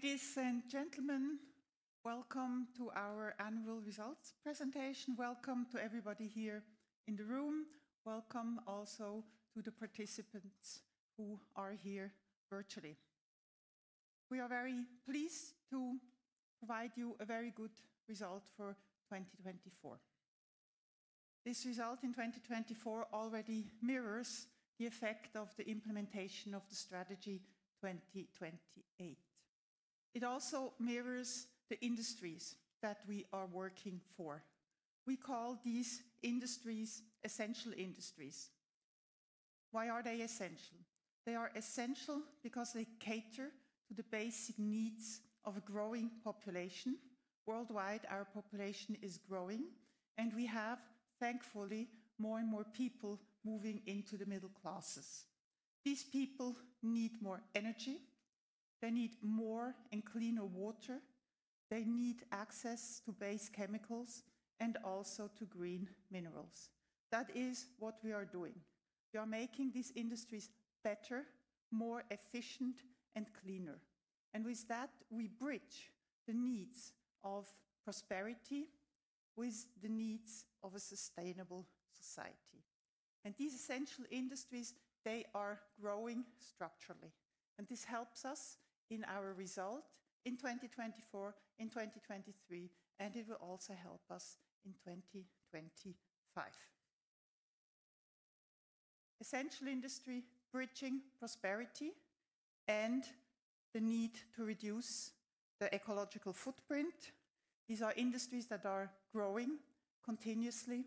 Ladies and gentlemen, welcome to our annual results presentation. Welcome to everybody here in the room. Welcome also to the participants who are here virtually. We are very pleased to provide you a very good result for 2024. This result in 2024 already mirrors the effect of the implementation of the Strategy 2028. It also mirrors the industries that we are working for. We call these industries essential industries. Why are they essential? They are essential because they cater to the basic needs of a growing population. Worldwide, our population is growing, and we have, thankfully, more and more people moving into the middle classes. These people need more energy. They need more and cleaner water. They need access to base chemicals and also to green minerals. That is what we are doing. We are making these industries better, more efficient, and cleaner. With that, we bridge the needs of prosperity with the needs of a sustainable society. These essential industries, they are growing structurally. This helps us in our result in 2024, in 2023, and it will also help us in 2025. Essential industry bridging prosperity and the need to reduce the ecological footprint. These are industries that are growing continuously,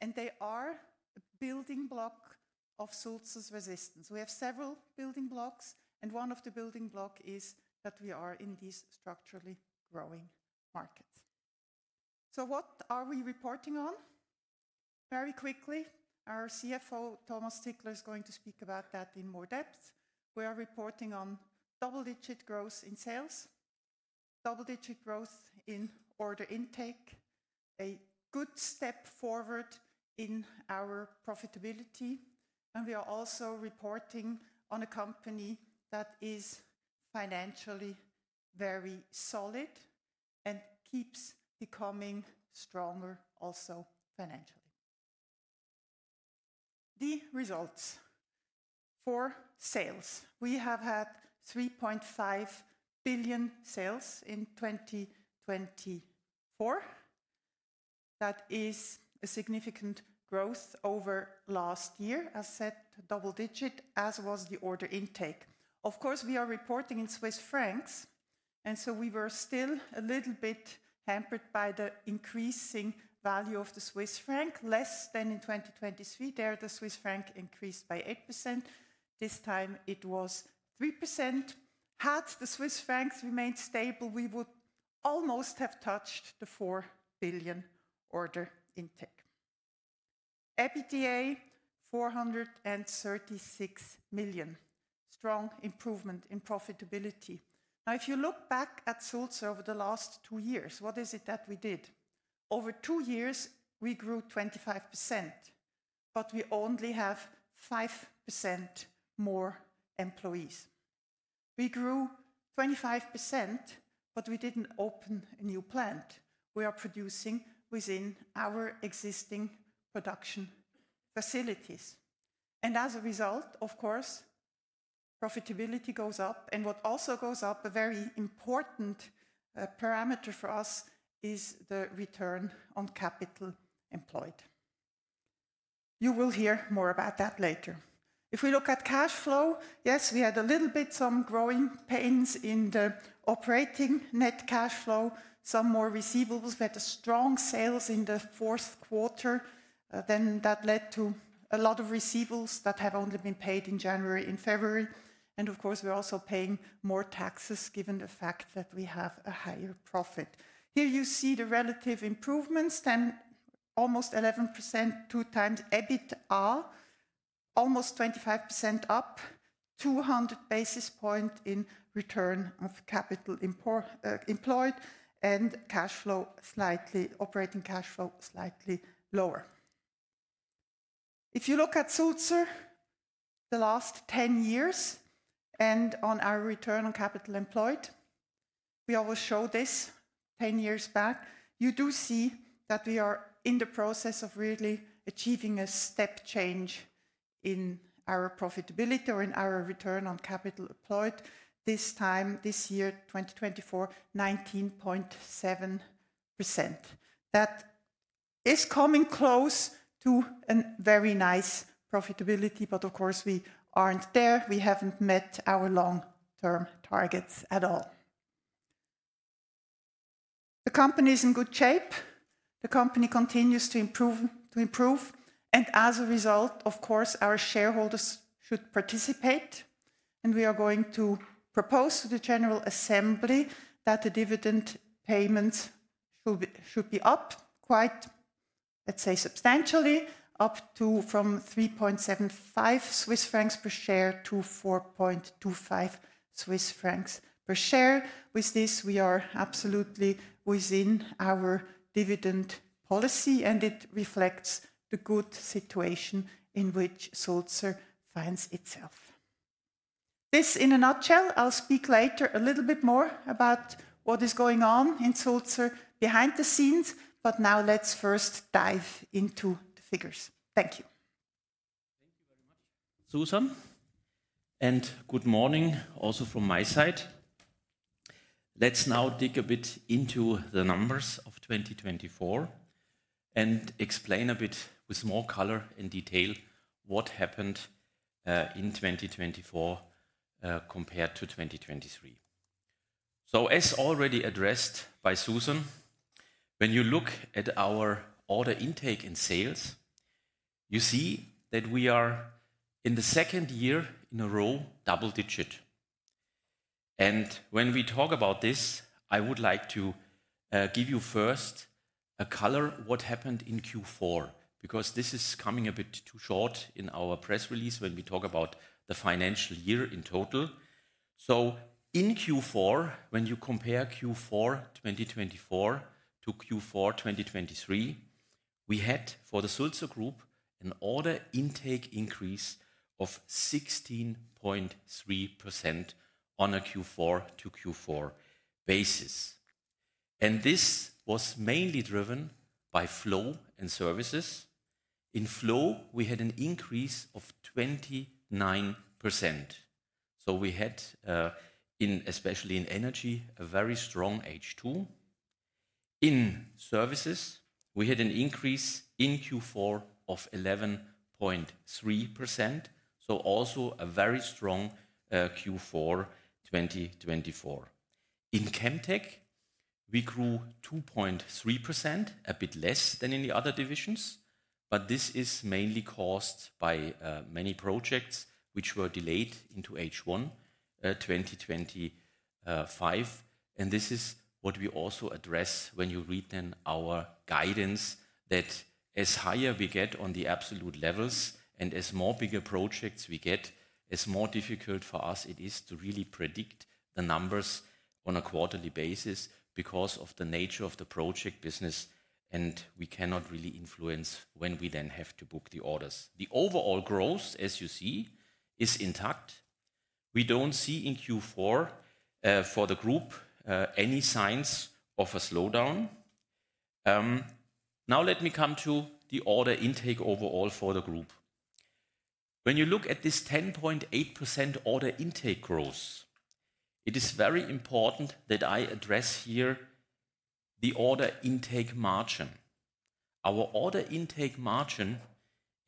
and they are a building block of Sulzer's resilience. We have several building blocks, and one of the building blocks is that we are in this structurally growing market. What are we reporting on? Very quickly, our CFO, Thomas Dittrich, is going to speak about that in more depth. We are reporting on double-digit growth in sales, double-digit growth in order intake, a good step forward in our profitability. We are also reporting on a company that is financially very solid and keeps becoming stronger also financially. The results for sales. We have had 3.5 billion in sales in 2024. That is a significant growth over last year, as said, double-digit, as was the order intake. Of course, we are reporting in Swiss francs, and so we were still a little bit hampered by the increasing value of the Swiss franc. Less than in 2023, there, the Swiss franc increased by 8%. This time, it was 3%. Had the Swiss francs remained stable, we would almost have touched the 4 billion order intake. EBITDA, 436 million. Strong improvement in profitability. Now, if you look back at Sulzer over the last two years, what is it that we did? Over two years, we grew 25%, but we only have 5% more employees. We grew 25%, but we didn't open a new plant. We are producing within our existing production facilities. And as a result, of course, profitability goes up. And what also goes up, a very important parameter for us, is the return on capital employed. You will hear more about that later. If we look at cash flow, yes, we had a little bit of some growing pains in the operating net cash flow, some more receivables. We had strong sales in the fourth quarter. Then that led to a lot of receivables that have only been paid in January and February. And of course, we're also paying more taxes given the fact that we have a higher profit. Here you see the relative improvements, then almost 11%, two times EBITDA, almost 25% up, 200 basis points in return on capital employed, and operating cash flow slightly lower. If you look at Sulzer the last 10 years and on our return on capital employed, we always show this 10 years back. You do see that we are in the process of really achieving a step change in our profitability or in our return on capital employed. This time, this year, 2024, 19.7%. That is coming close to a very nice profitability, but of course, we aren't there. We haven't met our long-term targets at all. The company is in good shape. The company continues to improve, and as a result, of course, our shareholders should participate. We are going to propose to the General Assembly that the dividend payments should be up quite, let's say, substantially up from 3.75 Swiss francs per share to 4.25 Swiss francs per share. With this, we are absolutely within our dividend policy, and it reflects the good situation in which Sulzer finds itself. This in a nutshell. I'll speak later a little bit more about what is going on in Sulzer behind the scenes, but now let's first dive into the figures. Thank you. Thank you very much, Suzanne Thoma, and good morning also from my side. Let's now dig a bit into the numbers of 2024 and explain a bit with more color and detail what happened in 2024 compared to 2023. So, as already addressed by Suzanne Thoma, when you look at our order intake and sales, you see that we are in the second year in a row double-digit, and when we talk about this, I would like to give you first a color what happened in Q4, because this is coming a bit too short in our press release when we talk about the financial year in total, so in Q4, when you compare Q4 2024 to Q4 2023, we had for the Sulzer Group an order intake increase of 16.3% on a Q4 to Q4 basis, and this was mainly driven by Flow and Services. In Flow, we had an increase of 29%. So, we had, especially in energy, a very strong H2. In Services, we had an increase in Q4 of 11.3%. So, also a very strong Q4 2024. In Chemtech, we grew 2.3%, a bit less than in the other divisions, but this is mainly caused by many projects which were delayed into H1 2025, and this is what we also address when you read then our guidance that as higher we get on the absolute levels and as more bigger projects we get, as more difficult for us it is to really predict the numbers on a quarterly basis because of the nature of the project business, and we cannot really influence when we then have to book the orders. The overall growth, as you see, is intact. We don't see in Q4 for the group any signs of a slowdown. Now, let me come to the order intake overall for the group. When you look at this 10.8% order intake growth, it is very important that I address here the order intake margin. Our order intake margin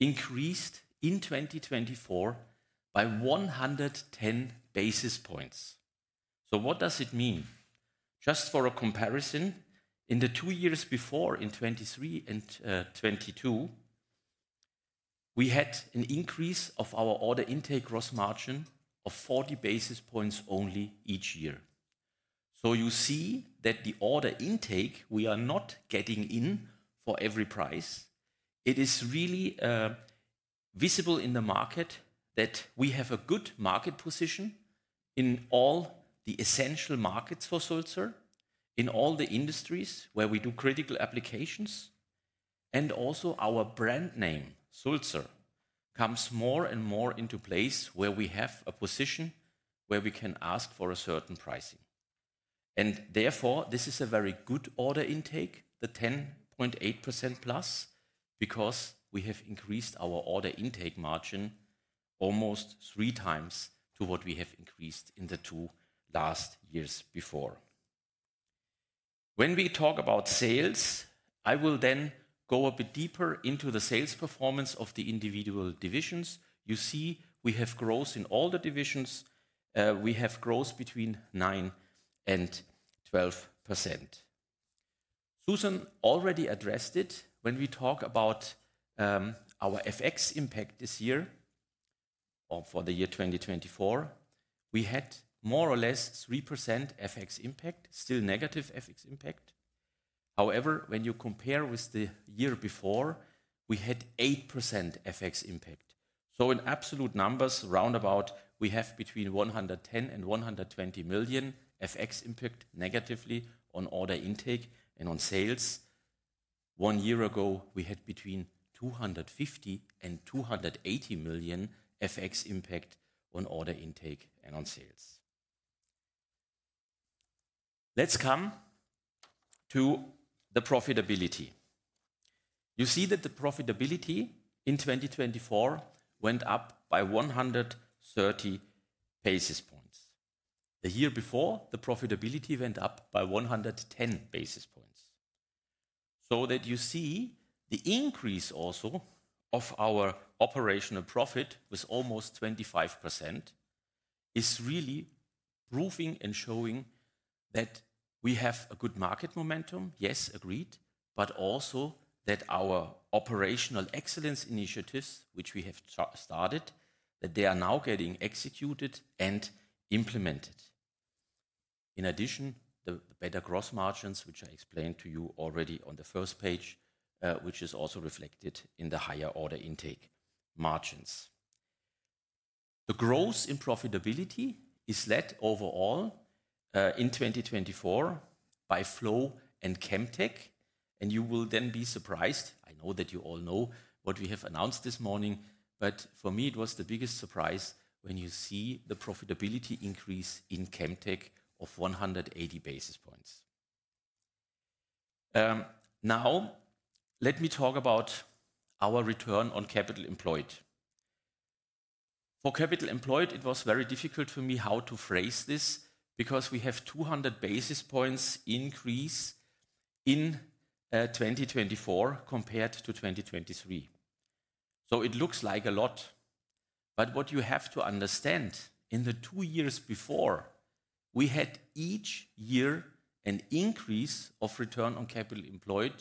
increased in 2024 by 110 basis points. So, what does it mean? Just for a comparison, in the two years before in 2023 and 2022, we had an increase of our order intake gross margin of 40 basis points only each year. So, you see that the order intake we are not getting in for every price. It is really visible in the market that we have a good market position in all the essential markets for Sulzer, in all the industries where we do critical applications, and also our brand name, Sulzer, comes more and more into place where we have a position where we can ask for a certain pricing. Therefore, this is a very good order intake, the 10.8% plus, because we have increased our order intake margin almost three times to what we have increased in the two last years before. When we talk about sales, I will then go a bit deeper into the sales performance of the individual divisions. You see we have growth in all the divisions. We have growth between 9% and 12%. Suzanne Thoma already addressed it. When we talk about our FX impact this year or for the year 2024, we had more or less 3% FX impact, still negative FX impact. However, when you compare with the year before, we had 8% FX impact. So, in absolute numbers, round about, we have between 110 million and 120 million FX impact negatively on order intake and on sales. One year ago, we had between 250 million and 280 million FX impact on order intake and on sales. Let's come to the profitability. You see that the profitability in 2024 went up by 130 basis points. The year before, the profitability went up by 110 basis points. So that you see the increase also of our operational profit was almost 25%, is really proving and showing that we have a good market momentum, yes, agreed, but also that our operational excellence initiatives, which we have started, that they are now getting executed and implemented. In addition, the better gross margins, which I explained to you already on the first page, which is also reflected in the higher order intake margins. The growth in profitability is led overall in 2024 by Flow and Chemtech. You will then be surprised. I know that you all know what we have announced this morning, but for me, it was the biggest surprise when you see the profitability increase in Chemtech of 180 basis points. Now, let me talk about our return on capital employed. For capital employed, it was very difficult for me how to phrase this because we have 200 basis points increase in 2024 compared to 2023. So, it looks like a lot, but what you have to understand in the two years before, we had each year an increase of return on capital employed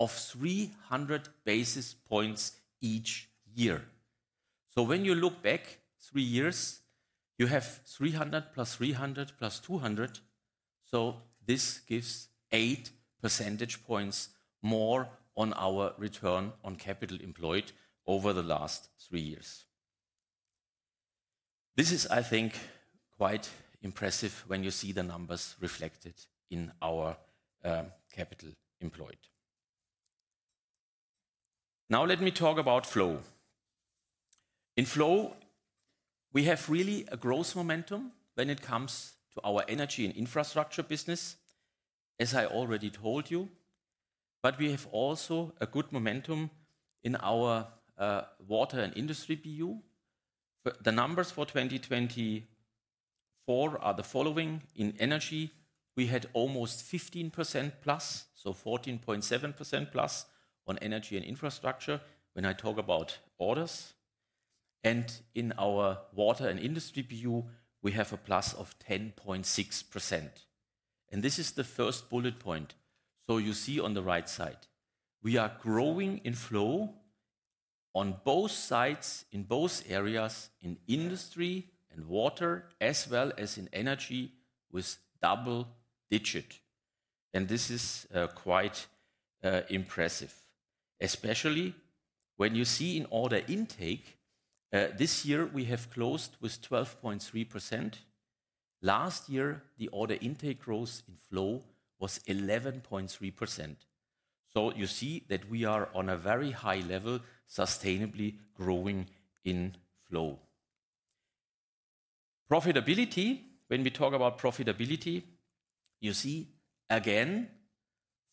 of 300 basis points each year. So, when you look back three years, you have 300 plus 300 plus 200. So, this gives eight percentage points more on our return on capital employed over the last three years. This is, I think, quite impressive when you see the numbers reflected in our capital employed. Now, let me talk about Flow. In Flow, we have really a strong momentum when it comes to our energy and infrastructure business, as I already told you, but we have also a good momentum in our Water and Industry BU. The numbers for 2024 are the following. In energy, we had almost 15% plus, so 14.7% plus on energy and infrastructure when I talk about orders, and in our Water and Industry BU, we have a plus of 10.6%. This is the first bullet point, so you see on the right side, we are growing in Flow on both sides in both areas, in Industry and Water, as well as in energy with double digit, and this is quite impressive, especially when you see in order intake. This year, we have closed with 12.3%. Last year, the order intake growth in Flow was 11.3%. So, you see that we are on a very high level, sustainably growing in Flow. Profitability, when we talk about profitability, you see again,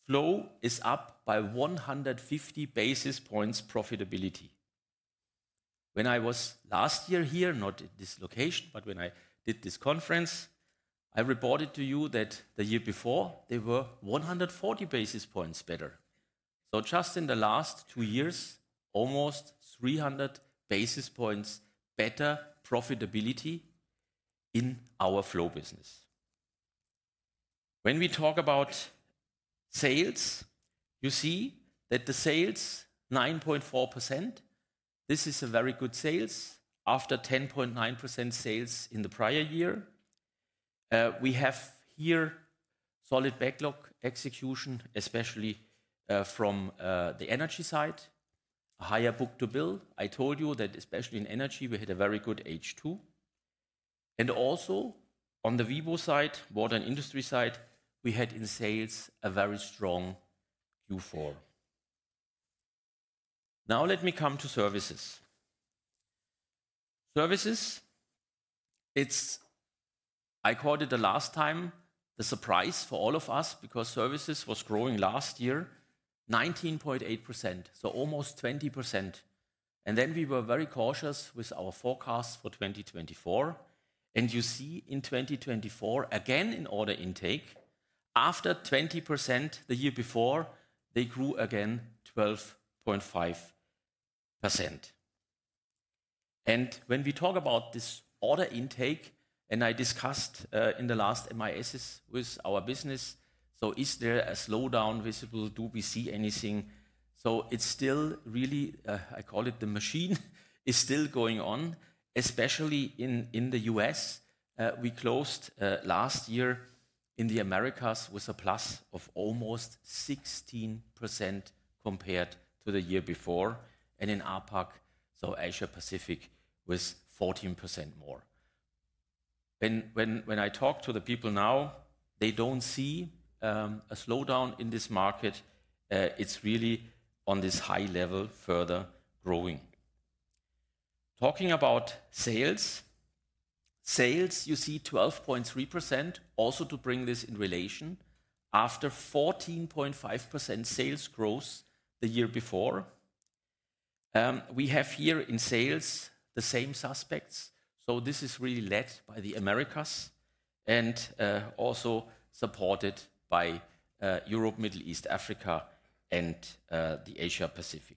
Flow is up by 150 basis points profitability. When I was last year here, not at this location, but when I did this conference, I reported to you that the year before, they were 140 basis points better. So, just in the last two years, almost 300 basis points better profitability in our Flow business. When we talk about sales, you see that the sales 9.4%, this is a very good sales after 10.9% sales in the prior year. We have here solid backlog execution, especially from the energy side, a higher book-to-bill. I told you that especially in energy, we had a very good H2. And also on the Flow side, Water and Industry side, we had in sales a very strong Q4. Now, let me come to Services. Services, it's, I called it the last time, the surprise for all of us because services was growing last year, 19.8%, so almost 20%. And then we were very cautious with our forecast for 2024. And you see in 2024, again in order intake, after 20% the year before, they grew again 12.5%. And when we talk about this order intake, and I discussed in the last MISs with our business, so is there a slowdown visible? Do we see anything? So, it's still really, I call it the machine, is still going on, especially in the U.S. We closed last year in the Americas with a plus of almost 16% compared to the year before. And in APAC, so Asia-Pacific, with 14% more. When I talk to the people now, they don't see a slowdown in this market. It's really on this high level further growing. Talking about sales, sales, you see 12.3%, also to bring this in relation after 14.5% sales growth the year before. We have here in sales the same suspects. So, this is really led by the Americas and also supported by Europe, Middle East, Africa, and the Asia-Pacific.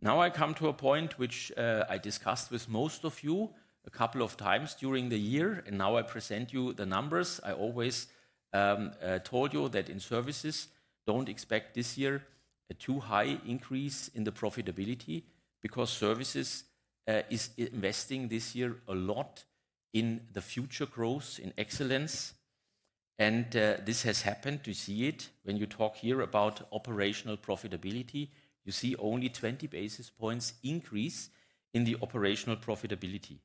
Now, I come to a point which I discussed with most of you a couple of times during the year, and now I present you the numbers. I always told you that in services, don't expect this year a too high increase in the profitability because services is investing this year a lot in the future growth in excellence, and this has happened to see it. When you talk here about operational profitability, you see only 20 basis points increase in the operational profitability.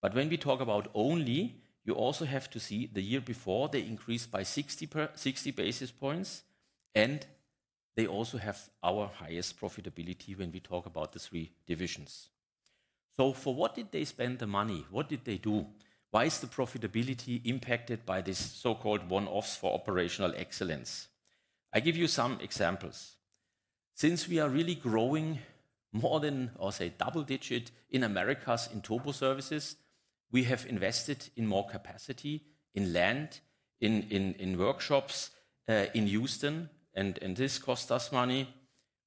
But when we talk about only, you also have to see the year before. They increased by 60 basis points, and they also have our highest profitability when we talk about the three divisions. So, for what did they spend the money? What did they do? Why is the profitability impacted by this so-called one-offs for operational excellence? I give you some examples. Since we are really growing more than, I'll say, double-digit in Americas Turbo Servicess, we have invested in more capacity in land, in workshops, in Houston, and this costs us money.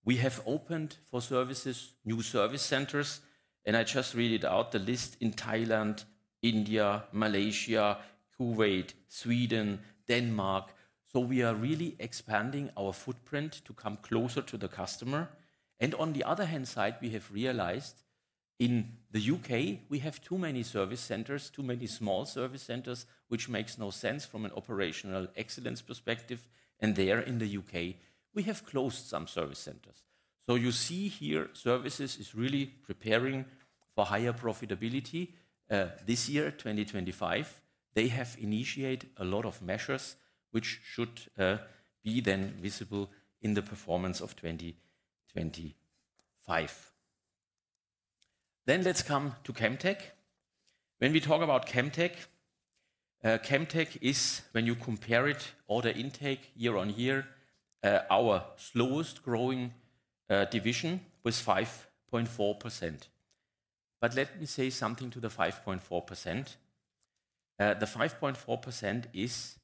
We have opened for services, new service centers, and I just read it out, the list in Thailand, India, Malaysia, Kuwait, Sweden, Denmark. So, we are really expanding our footprint to come closer to the customer. On the other hand side, we have realized in the U.K., we have too many service centers, too many small service centers, which makes no sense from an operational excellence perspective. There in the U.K., we have closed some service centers. You see here, Services is really preparing for higher profitability this year, 2025. They have initiated a lot of measures which should be then visible in the performance of 2025. Let's come to Chemtech. When we talk about Chemtech, Chemtech is when you compare it, order intake year on year, our slowest growing division was 5.4%. But let me say something to the 5.4%. The 5.4% is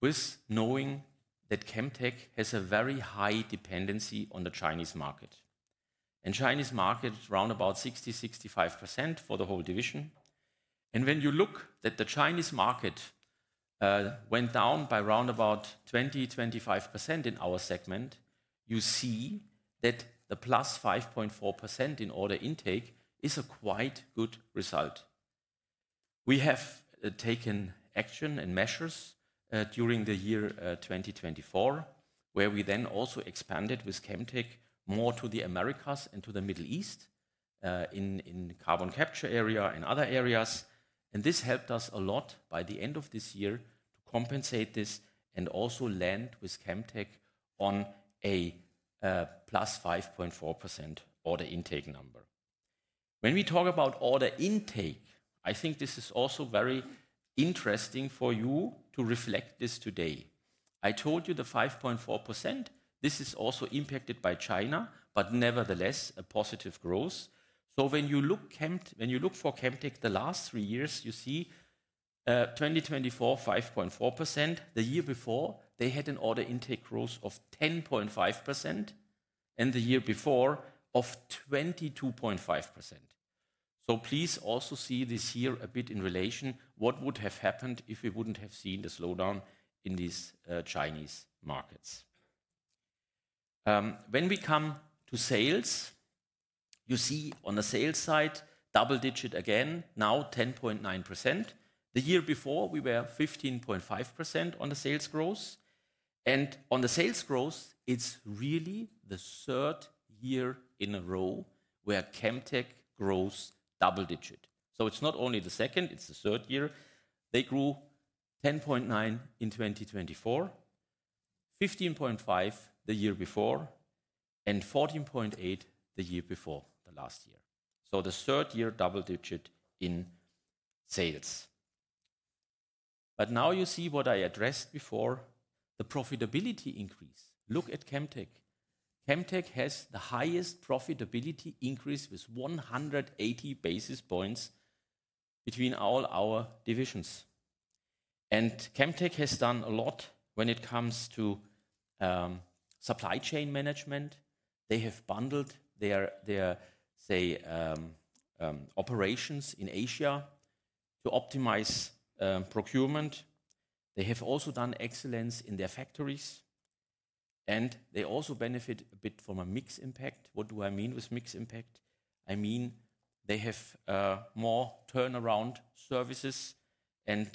with knowing that Chemtech has a very high dependency on the Chinese market. The Chinese market is around 60-65% for the whole division. When you look that the Chinese market went down by around about 20-25% in our segment, you see that the plus 5.4% in order intake is a quite good result. We have taken action and measures during the year 2024, where we then also expanded with Chemtech more to the Americas and to the Middle East in carbon capture area and other areas. This helped us a lot by the end of this year to compensate this and also land with Chemtech on a plus 5.4% order intake number. When we talk about order intake, I think this is also very interesting for you to reflect this today. I told you the 5.4%, this is also impacted by China, but nevertheless a positive growth. When you look for Chemtech the last three years, you see 2024, 5.4%. The year before, they had an order intake growth of 10.5% and the year before of 22.5%. So, please also see this year a bit in relation what would have happened if we wouldn't have seen the slowdown in these Chinese markets. When we come to sales, you see on the sales side, double digit again, now 10.9%. The year before, we were 15.5% on the sales growth. And on the sales growth, it's really the third year in a row where Chemtech grows double digit. So, it's not only the second, it's the third year. They grew 10.9% in 2024, 15.5% the year before, and 14.8% the year before, the last year. So, the third year double digit in sales. But now you see what I addressed before, the profitability increase. Look at Chemtech. Chemtech has the highest profitability increase with 180 basis points between all our divisions. And Chemtech has done a lot when it comes to supply chain management. They have bundled their, say, operations in Asia to optimize procurement. They have also done excellence in their factories. And they also benefit a bit from a mixed impact. What do I mean with mixed impact? I mean they have more turnaround services and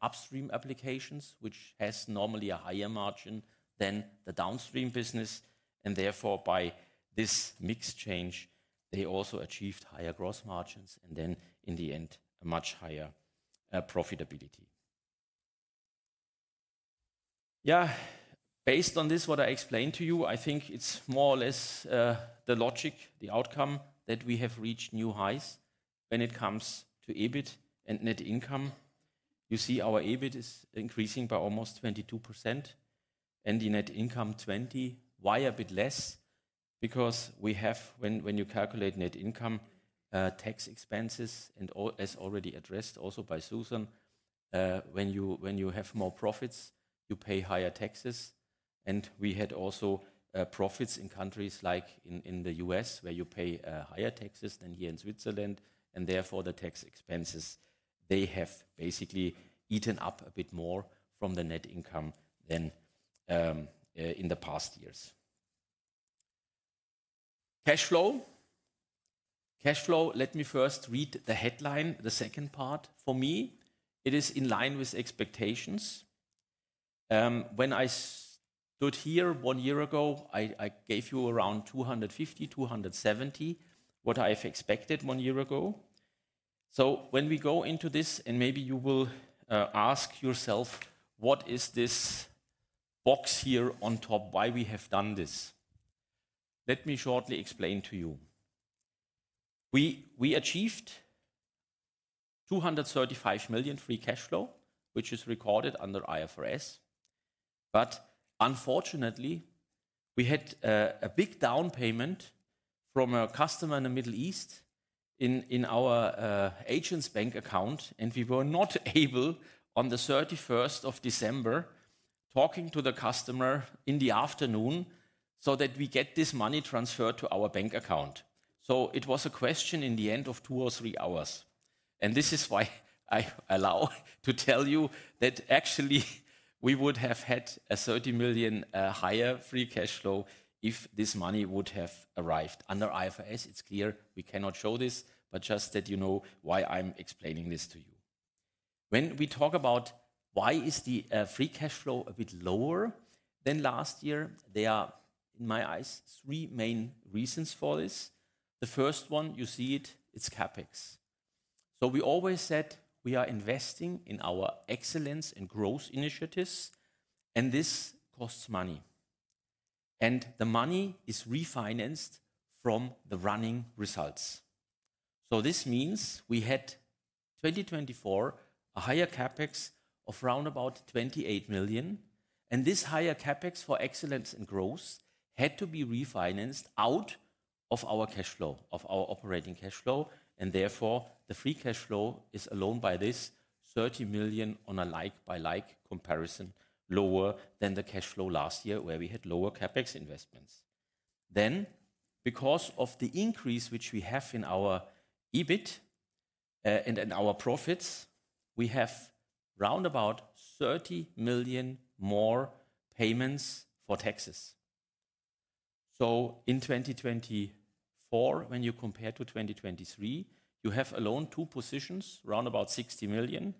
upstream applications, which has normally a higher margin than the downstream business. And therefore, by this mixed change, they also achieved higher gross margins and then in the end, a much higher profitability., based on this, what I explained to you, I think it's more or less the logic, the outcome that we have reached new highs when it comes to EBIT and net income. You see our EBIT is increasing by almost 22% and the net income 20%, why a bit less? Because we have, when you calculate net income, tax expenses, and as already addressed also by Suzanne Thoma, when you have more profits, you pay higher taxes, and we had also profits in countries like in the U.S., where you pay higher taxes than here in Switzerland, and therefore, the tax expenses, they have basically eaten up a bit more from the net income than in the past years. Cash flow. Cash flow, let me first read the headline, the second part. For me, it is in line with expectations. When I stood here one year ago, I gave you around 250, 270, what I have expected one year ago. So, when we go into this, and maybe you will ask yourself, what is this box here on top, why we have done this? Let me shortly explain to you. We achieved 235 million free cash flow, which is recorded under IFRS but unfortunately, we had a big down payment from a customer in the Middle East in our agent's bank account, and we were not able on the 31st of December, talking to the customer in the afternoon so that we get this money transferred to our bank account. So, it was a question in the end of two or three hours, and this is why I allow to tell you that actually we would have had a 30 million higher free cash flow if this money would have arrived. Under IFRS, it's clear we cannot show this, but just that you know why I'm explaining this to you. When we talk about why is the free cash flow a bit lower than last year, there are in my eyes three main reasons for this. The first one, you see it, it's CapEx. So, we always said we are investing in our excellence and growth initiatives, and this costs money. And the money is refinanced from the running results. So, this means we had 2024, a higher CapEx of around about 28 million. And this higher CapEx for excellence and growth had to be refinanced out of our cash flow, of our operating cash flow. And therefore, the free cash flow is alone by this 30 million on a like-for-like comparison lower than the cash flow last year where we had lower CapEx investments. Then, because of the increase which we have in our EBIT and in our profits, we have round about 30 million more payments for taxes. In 2024, when you compare to 2023, you have alone two positions, round about 60 million,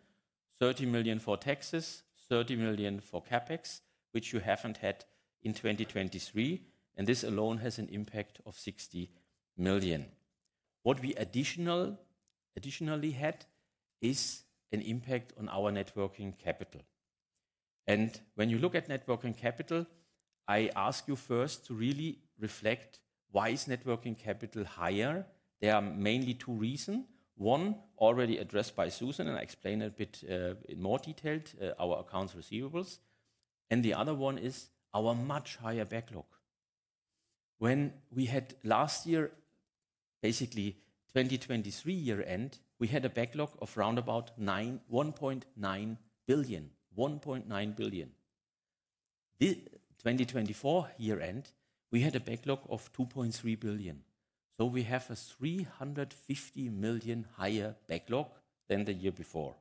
30 million for taxes, 30 million for CapEx, which you haven't had in 2023. And this alone has an impact of 60 million. What we additionally had is an impact on our net working capital. And when you look at net working capital, I ask you first to really reflect why net working capital is higher. There are mainly two reasons. One, already addressed by Suzanne Thoma, and I explain a bit in more detail, our accounts receivable. And the other one is our much higher backlog. When we had last year, basically 2023 year end, we had a backlog of round about 1.9 billion, 1.9 billion. 2024 year end, we had a backlog of 2.3 billion. So, we have a 350 million higher backlog than the year before.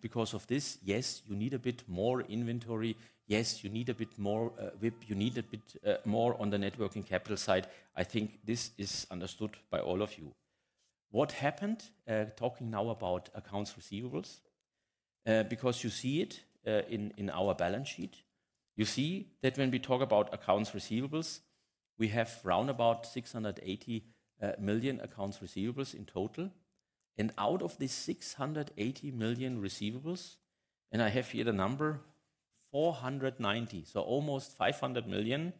Because of this, yes, you need a bit more inventory. Yes, you need a bit more WIP. You need a bit more on the net working capital side. I think this is understood by all of you. What happened, talking now about accounts receivable, because you see it in our balance sheet, you see that when we talk about accounts receivable, we have around 680 million accounts receivable in total. And out of these 680 million receivables, and I have here the number, 490, so almost 500 million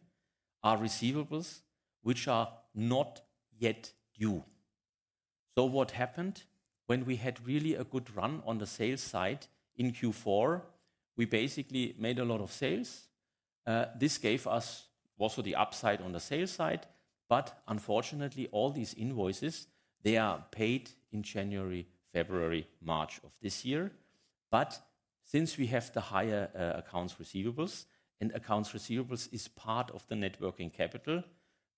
are receivables which are not yet due. What happened when we had really a good run on the sales side in Q4? We basically made a lot of sales. This gave us also the upside on the sales side. Unfortunately, all these invoices, they are paid in January, February, March of this year. But since we have the higher accounts receivable, and accounts receivable is part of the net working capital,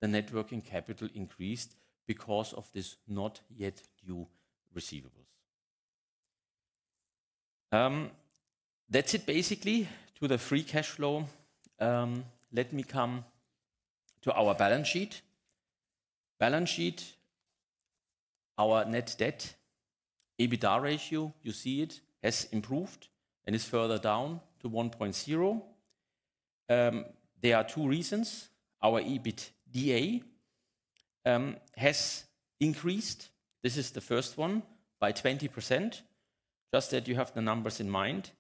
the net working capital increased because of these not yet due receivables. That's it basically to the free cash flow. Let me come to our balance sheet. Balance sheet, our net debt EBITDA ratio, you see it has improved and is further down to 1.0. There are two reasons. Our EBITDA has increased. This is the first one by 20%. Just that you have the numbers in mind.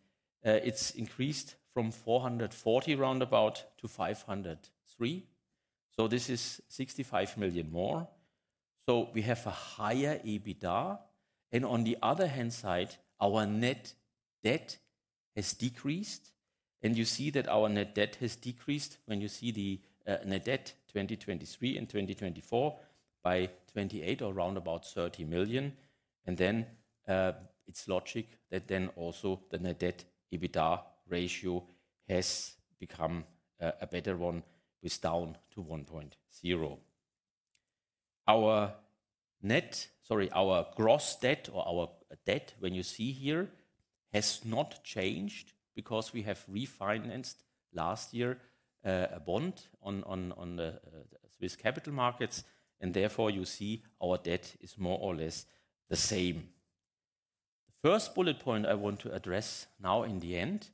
It's increased from 440 round about to 503. So, this is 65 million more. So, we have a higher EBITDA. And on the other hand side, our net debt has decreased. And you see that our net debt has decreased when you see the net debt 2023 and 2024 by 28 or round about 30 million. Then it's logical that then also the net debt EBITDA ratio has become a better one with it down to 1.0. Our net, sorry, our gross debt or our debt when you see here has not changed because we have refinanced last year a bond on the Swiss capital markets. And therefore you see our debt is more or less the same. The first bullet point I want to address now in the end,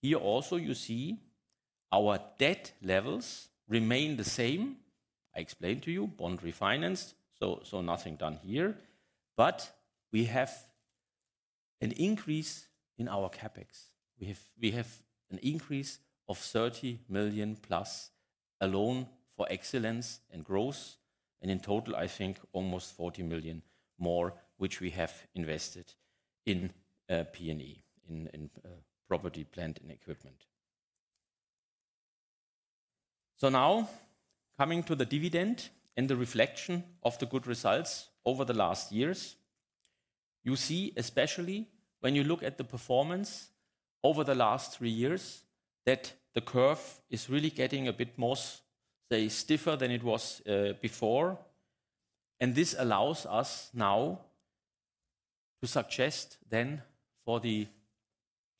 here also you see our debt levels remain the same. I explained to you bond refinanced, so nothing done here. But we have an increase in our CapEx. We have an increase of 30 million plus alone for excellence and growth. And in total, I think almost 40 million more, which we have invested in P&E, in property, plant, and equipment. Now coming to the dividend and the reflection of the good results over the last years, you see especially when you look at the performance over the last three years that the curve is really getting a bit more, say, stiffer than it was before. And this allows us now to suggest then for the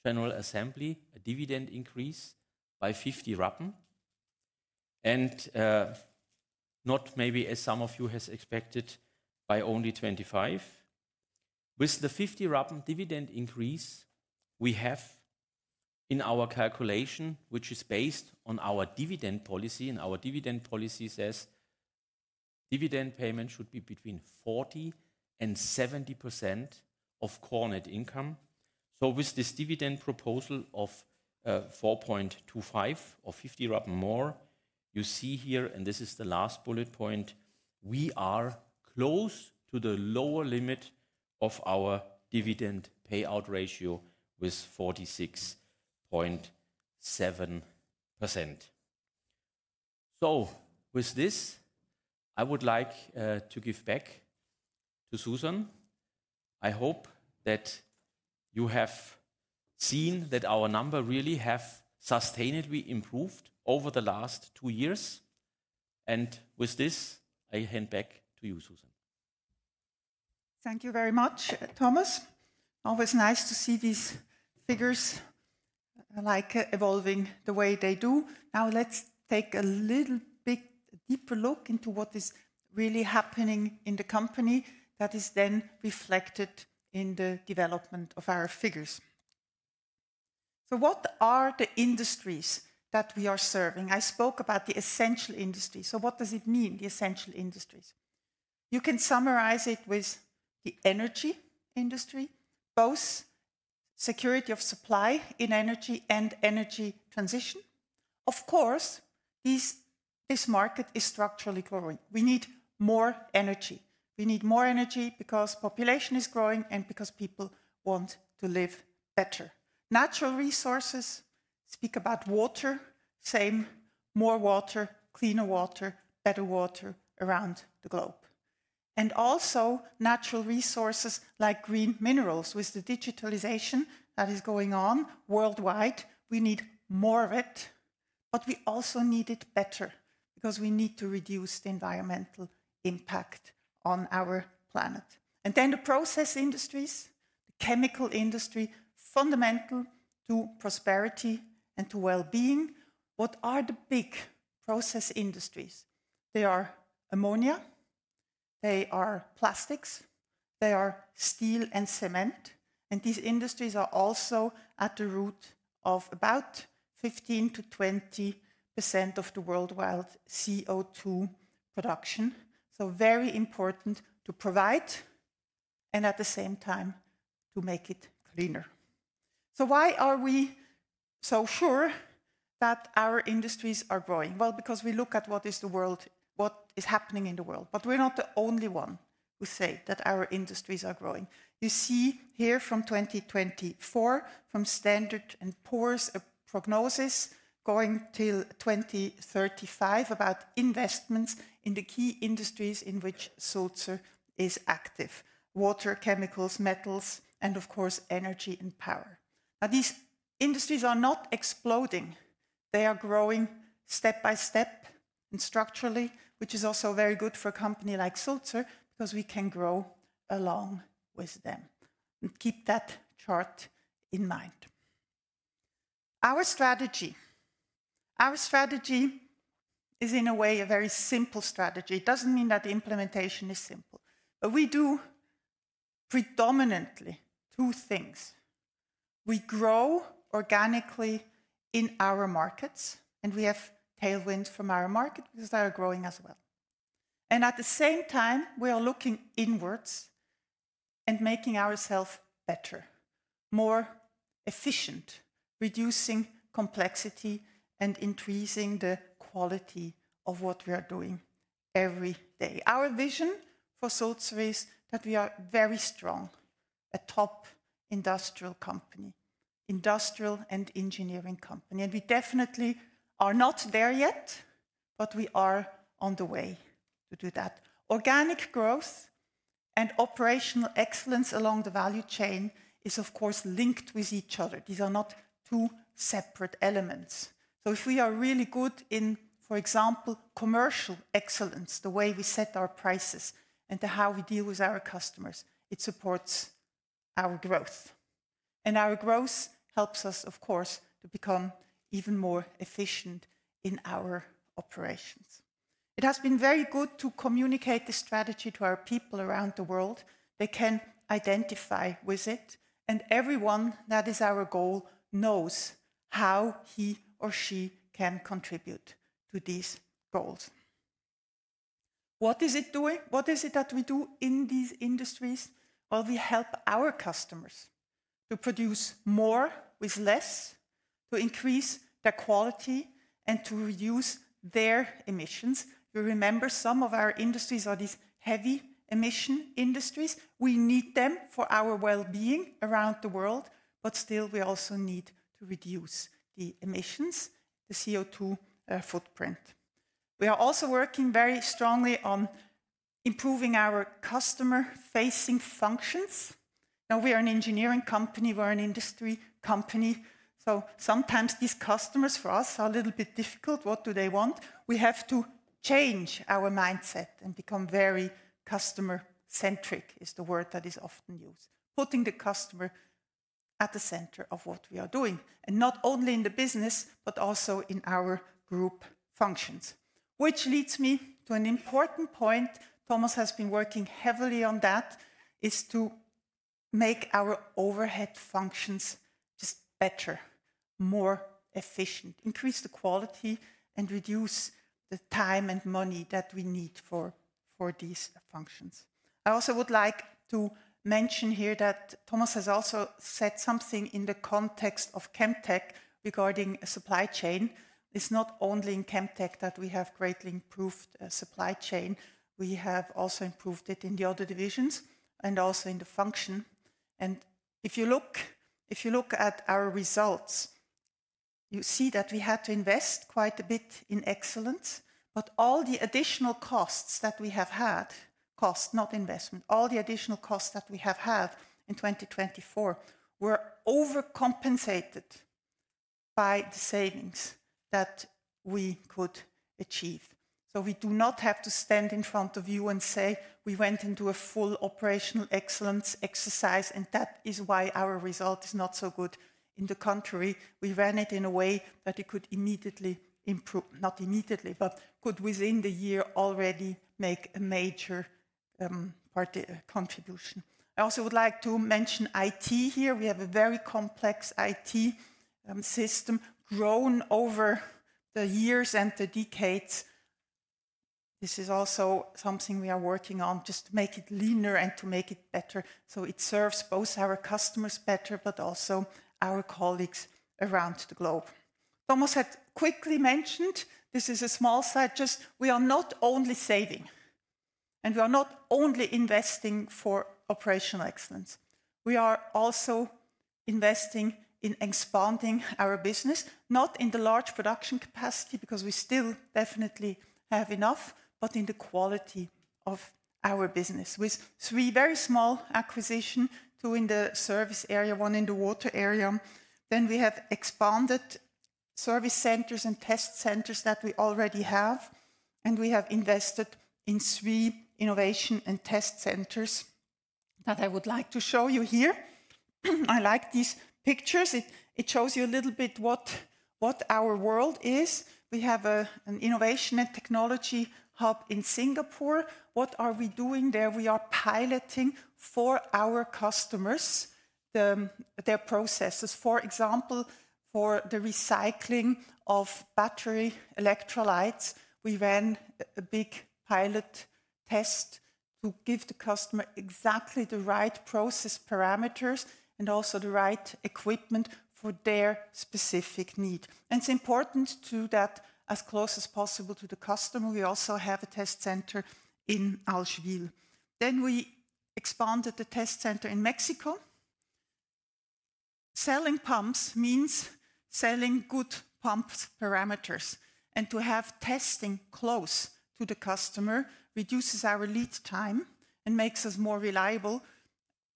General Assembly a dividend increase by 50 Rappen. And not maybe as some of you have expected by only 25. With the 50 Rappen dividend increase, we have in our calculation, which is based on our dividend policy, and our dividend policy says dividend payment should be between 40% and 70% of core net income. So with this dividend proposal of 4.25 or 50 Rappen more, you see here, and this is the last bullet point, we are close to the lower limit of our dividend payout ratio with 46.7%. With this, I would like to give back to Suzanne Thoma. I hope that you have seen that our numbers really have sustainably improved over the last two years. And with this, I hand back to you, Suzanne Thoma. Thank you very much, Thomas. Always nice to see these figures like evolving the way they do. Now let's take a little bit deeper look into what is really happening in the company that is then reflected in the development of our figures. What are the industries that we are serving? I spoke about the essential industries. What does it mean, the essential industries? You can summarize it with the energy industry, both security of supply in energy and energy transition. Of course, this market is structurally growing. We need more energy. We need more energy because population is growing and because people want to live better. Natural resources speak about water sustainability: more water, cleaner water, better water around the globe and also natural resources like green minerals with the digitalization that is going on worldwide, we need more of it, but we also need it better because we need to reduce the environmental impact on our planet and then the process industries, the chemical industry, fundamental to prosperity and to well-being. What are the big process industries? They are ammonia, they are plastics, they are steel and cement and these industries are also at the root of about 15%-20% of the worldwide CO2 production so very important to provide and at the same time to make it cleaner so why are we so sure that our industries are growing, well, because we look at what is the world, what is happening in the world. But we're not the only one who says that our industries are growing. You see here from 2024, from Standard & Poor's prognosis going till 2035 about investments in the key industries in which Sulzer is active: water, chemicals, metals, and of course energy and power. Now these industries are not exploding. They are growing step by step and structurally, which is also very good for a company like Sulzer because we can grow along with them. And keep that chart in mind. Our strategy, our strategy is in a way a very simple strategy. It doesn't mean that the implementation is simple. But we do predominantly two things. We grow organically in our markets and we have tailwinds from our market because they are growing as well. At the same time, we are looking inwards and making ourselves better, more efficient, reducing complexity and increasing the quality of what we are doing every day. Our vision for Sulzer is that we are very strong, a top industrial company, industrial and engineering company. We definitely are not there yet, but we are on the way to do that. Organic growth and operational excellence along the value chain is of course linked with each other. These are not two separate elements. If we are really good in, for example, commercial excellence, the way we set our prices and how we deal with our customers, it supports our growth. Our growth helps us, of course, to become even more efficient in our operations. It has been very good to communicate the strategy to our people around the world. They can identify with it. Everyone that is our goal knows how he or she can contribute to these goals. What is it doing? What is it that we do in these industries? We help our customers to produce more with less, to increase their quality and to reduce their emissions. You remember some of our industries are these heavy emission industries. We need them for our well-being around the world, but still we also need to reduce the emissions, the CO2 footprint. We are also working very strongly on improving our customer-facing functions. Now we are an engineering company. We're an industry company. So sometimes these customers for us are a little bit difficult. What do they want? We have to change our mindset and become very customer-centric is the word that is often used, putting the customer at the center of what we are doing. And not only in the business, but also in our group functions. Which leads me to an important point. Thomas has been working heavily on that is to make our overhead functions just better, more efficient, increase the quality and reduce the time and money that we need for these functions. I also would like to mention here that Thomas has also said something in the context of Chemtech regarding a supply chain. It's not only in Chemtech that we have greatly improved a supply chain. We have also improved it in the other divisions and also in the function. And if you look at our results, you see that we had to invest quite a bit in excellence. But all the additional costs that we have had, cost, not investment, all the additional costs that we have had in 2024 were overcompensated by the savings that we could achieve. So we do not have to stand in front of you and say we went into a full operational excellence exercise and that is why our result is not so good. On the contrary, we ran it in a way that it could immediately improve, not immediately, but could within the year already make a major contribution. I also would like to mention IT here. We have a very complex IT system grown over the years and the decades. This is also something we are working on just to make it leaner and to make it better so it serves both our customers better, but also our colleagues around the globe. Thomas had quickly mentioned this is a small slide. Just we are not only saving and we are not only investing for operational excellence. We are also investing in expanding our business, not in the large production capacity because we still definitely have enough, but in the quality of our business with three very small acquisitions, two in the service area, one in the water area, then we have expanded service centers and test centers that we already have, and we have invested in three innovation and test centers that I would like to show you here. I like these pictures. It shows you a little bit what our world is. We have an innovation and technology hub in Singapore. What are we doing there? We are piloting for our customers their processes. For example, for the recycling of battery electrolytes, we ran a big pilot test to give the customer exactly the right process parameters and also the right equipment for their specific need. And it's important to do that as close as possible to the customer. We also have a test center in Allschwil. Then we expanded the test center in Mexico. Selling pumps means selling good pump parameters. And to have testing close to the customer reduces our lead time and makes us more reliable,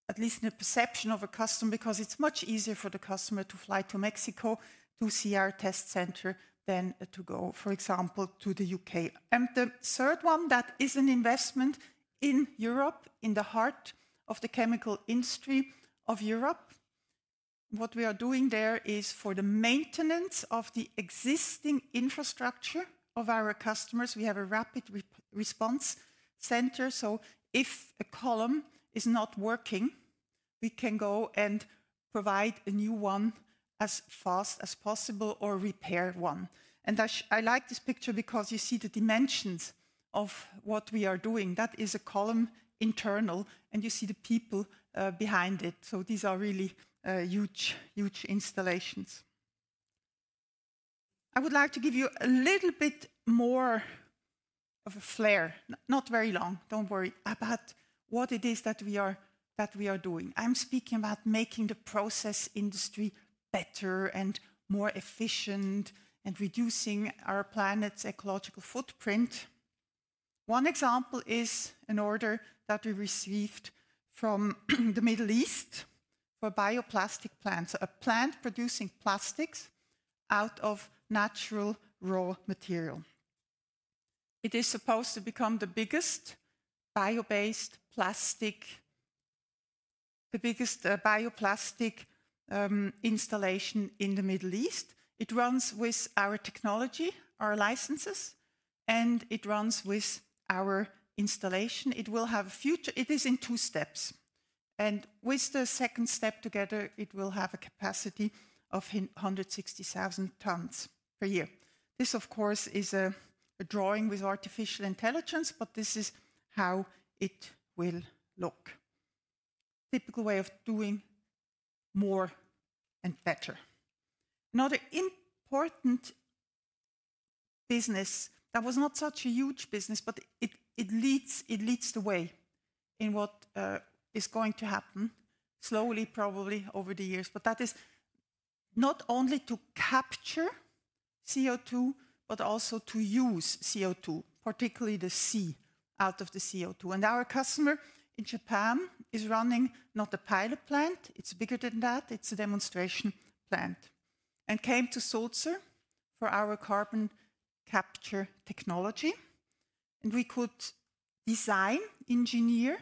at least in the perception of a customer, because it's much easier for the customer to fly to Mexico to see our test center than to go, for example, to the U.K. And the third one that is an investment in Europe, in the heart of the chemical industry of Europe. What we are doing there is for the maintenance of the existing infrastructure of our customers. We have a rapid response center. So if a column is not working, we can go and provide a new one as fast as possible or repair one. I like this picture because you see the dimensions of what we are doing. That is a column internals and you see the people behind it. These are really huge, huge installations. I would like to give you a little bit more of a flavor, not very long, don't worry, about what it is that we are doing. I'm speaking about making the process industry better and more efficient and reducing our planet's ecological footprint. One example is an order that we received from the Middle East for bioplastic plants, a plant producing plastics out of natural raw material. It is supposed to become the biggest bio-based plastic, the biggest bioplastic installation in the Middle East. It runs with our technology, our licenses, and it runs with our installation. It will have a future. It is in two steps. With the second step together, it will have a capacity of 160,000 tons per year. This, of course, is a drawing with artificial intelligence, but this is how it will look. Typical way of doing more and better. Another important business that was not such a huge business, but it leads the way in what is going to happen slowly, probably over the years. That is not only to capture CO2, but also to use CO2, particularly the C out of the CO2. Our customer in Japan is running not a pilot plant. It's bigger than that. It's a demonstration plant. Our customer came to Sulzer for our carbon capture technology. We could design, engineer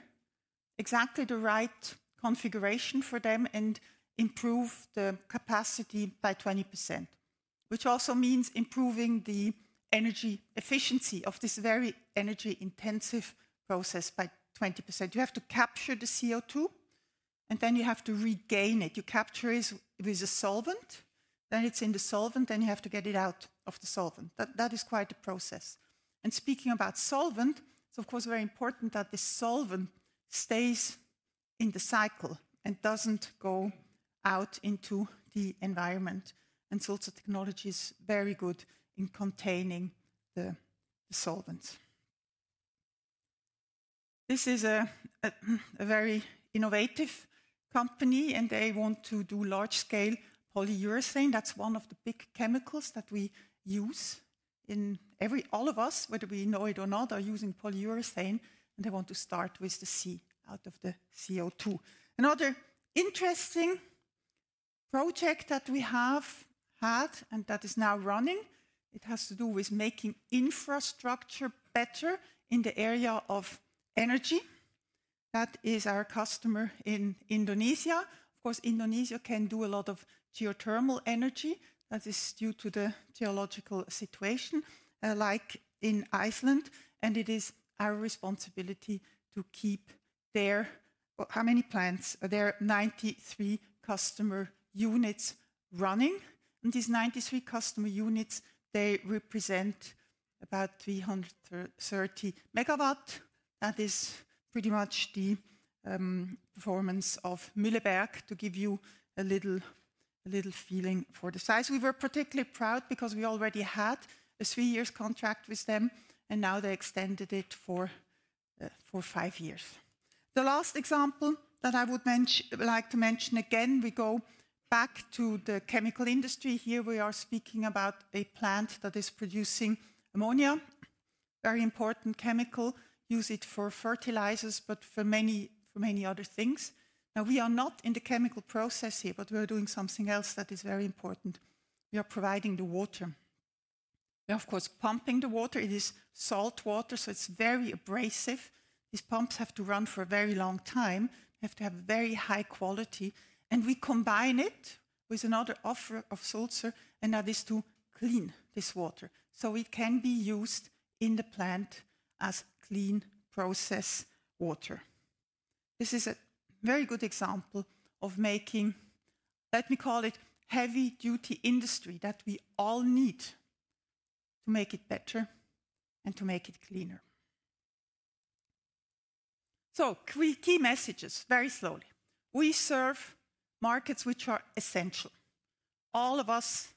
exactly the right configuration for them and improve the capacity by 20%, which also means improving the energy efficiency of this very energy-intensive process by 20%. You have to capture the CO2 and then you have to regain it. You capture it with a solvent, then it's in the solvent, then you have to get it out of the solvent. That is quite a process, and speaking about solvent, it's of course very important that the solvent stays in the cycle and doesn't go out into the environment, and Sulzer Technology is very good in containing the solvents. This is a very innovative company and they want to do large-scale polyurethane. That's one of the big chemicals that we use in every all of us, whether we know it or not, are using polyurethane and they want to start with the C out of the CO2. Another interesting project that we have had and that is now running, it has to do with making infrastructure better in the area of energy. That is our customer in Indonesia. Of course, Indonesia can do a lot of geothermal energy. That is due to the geological situation like in Iceland, and it is our responsibility to keep their how many plants? There are 93 customer units running, and these 93 customer units, they represent about 330 megawatts. That is pretty much the performance of Mühleberg to give you a little feeling for the size. We were particularly proud because we already had a three-year contract with them and now they extended it for five years. The last example that I would like to mention again, we go back to the chemical industry. Here we are speaking about a plant that is producing ammonia, very important chemical, use it for fertilizers, but for many other things. Now we are not in the chemical process here, but we're doing something else that is very important. We are providing the water. We're of course pumping the water. It is salt water, so it's very abrasive. These pumps have to run for a very long time, have to have very high quality, and we combine it with another offer of Sulzer, and that is to clean this water, so it can be used in the plant as clean process water. This is a very good example of making, let me call it heavy-duty industry that we all need to make it better and to make it cleaner, so key messages, very slowly. We serve markets which are essential. All of us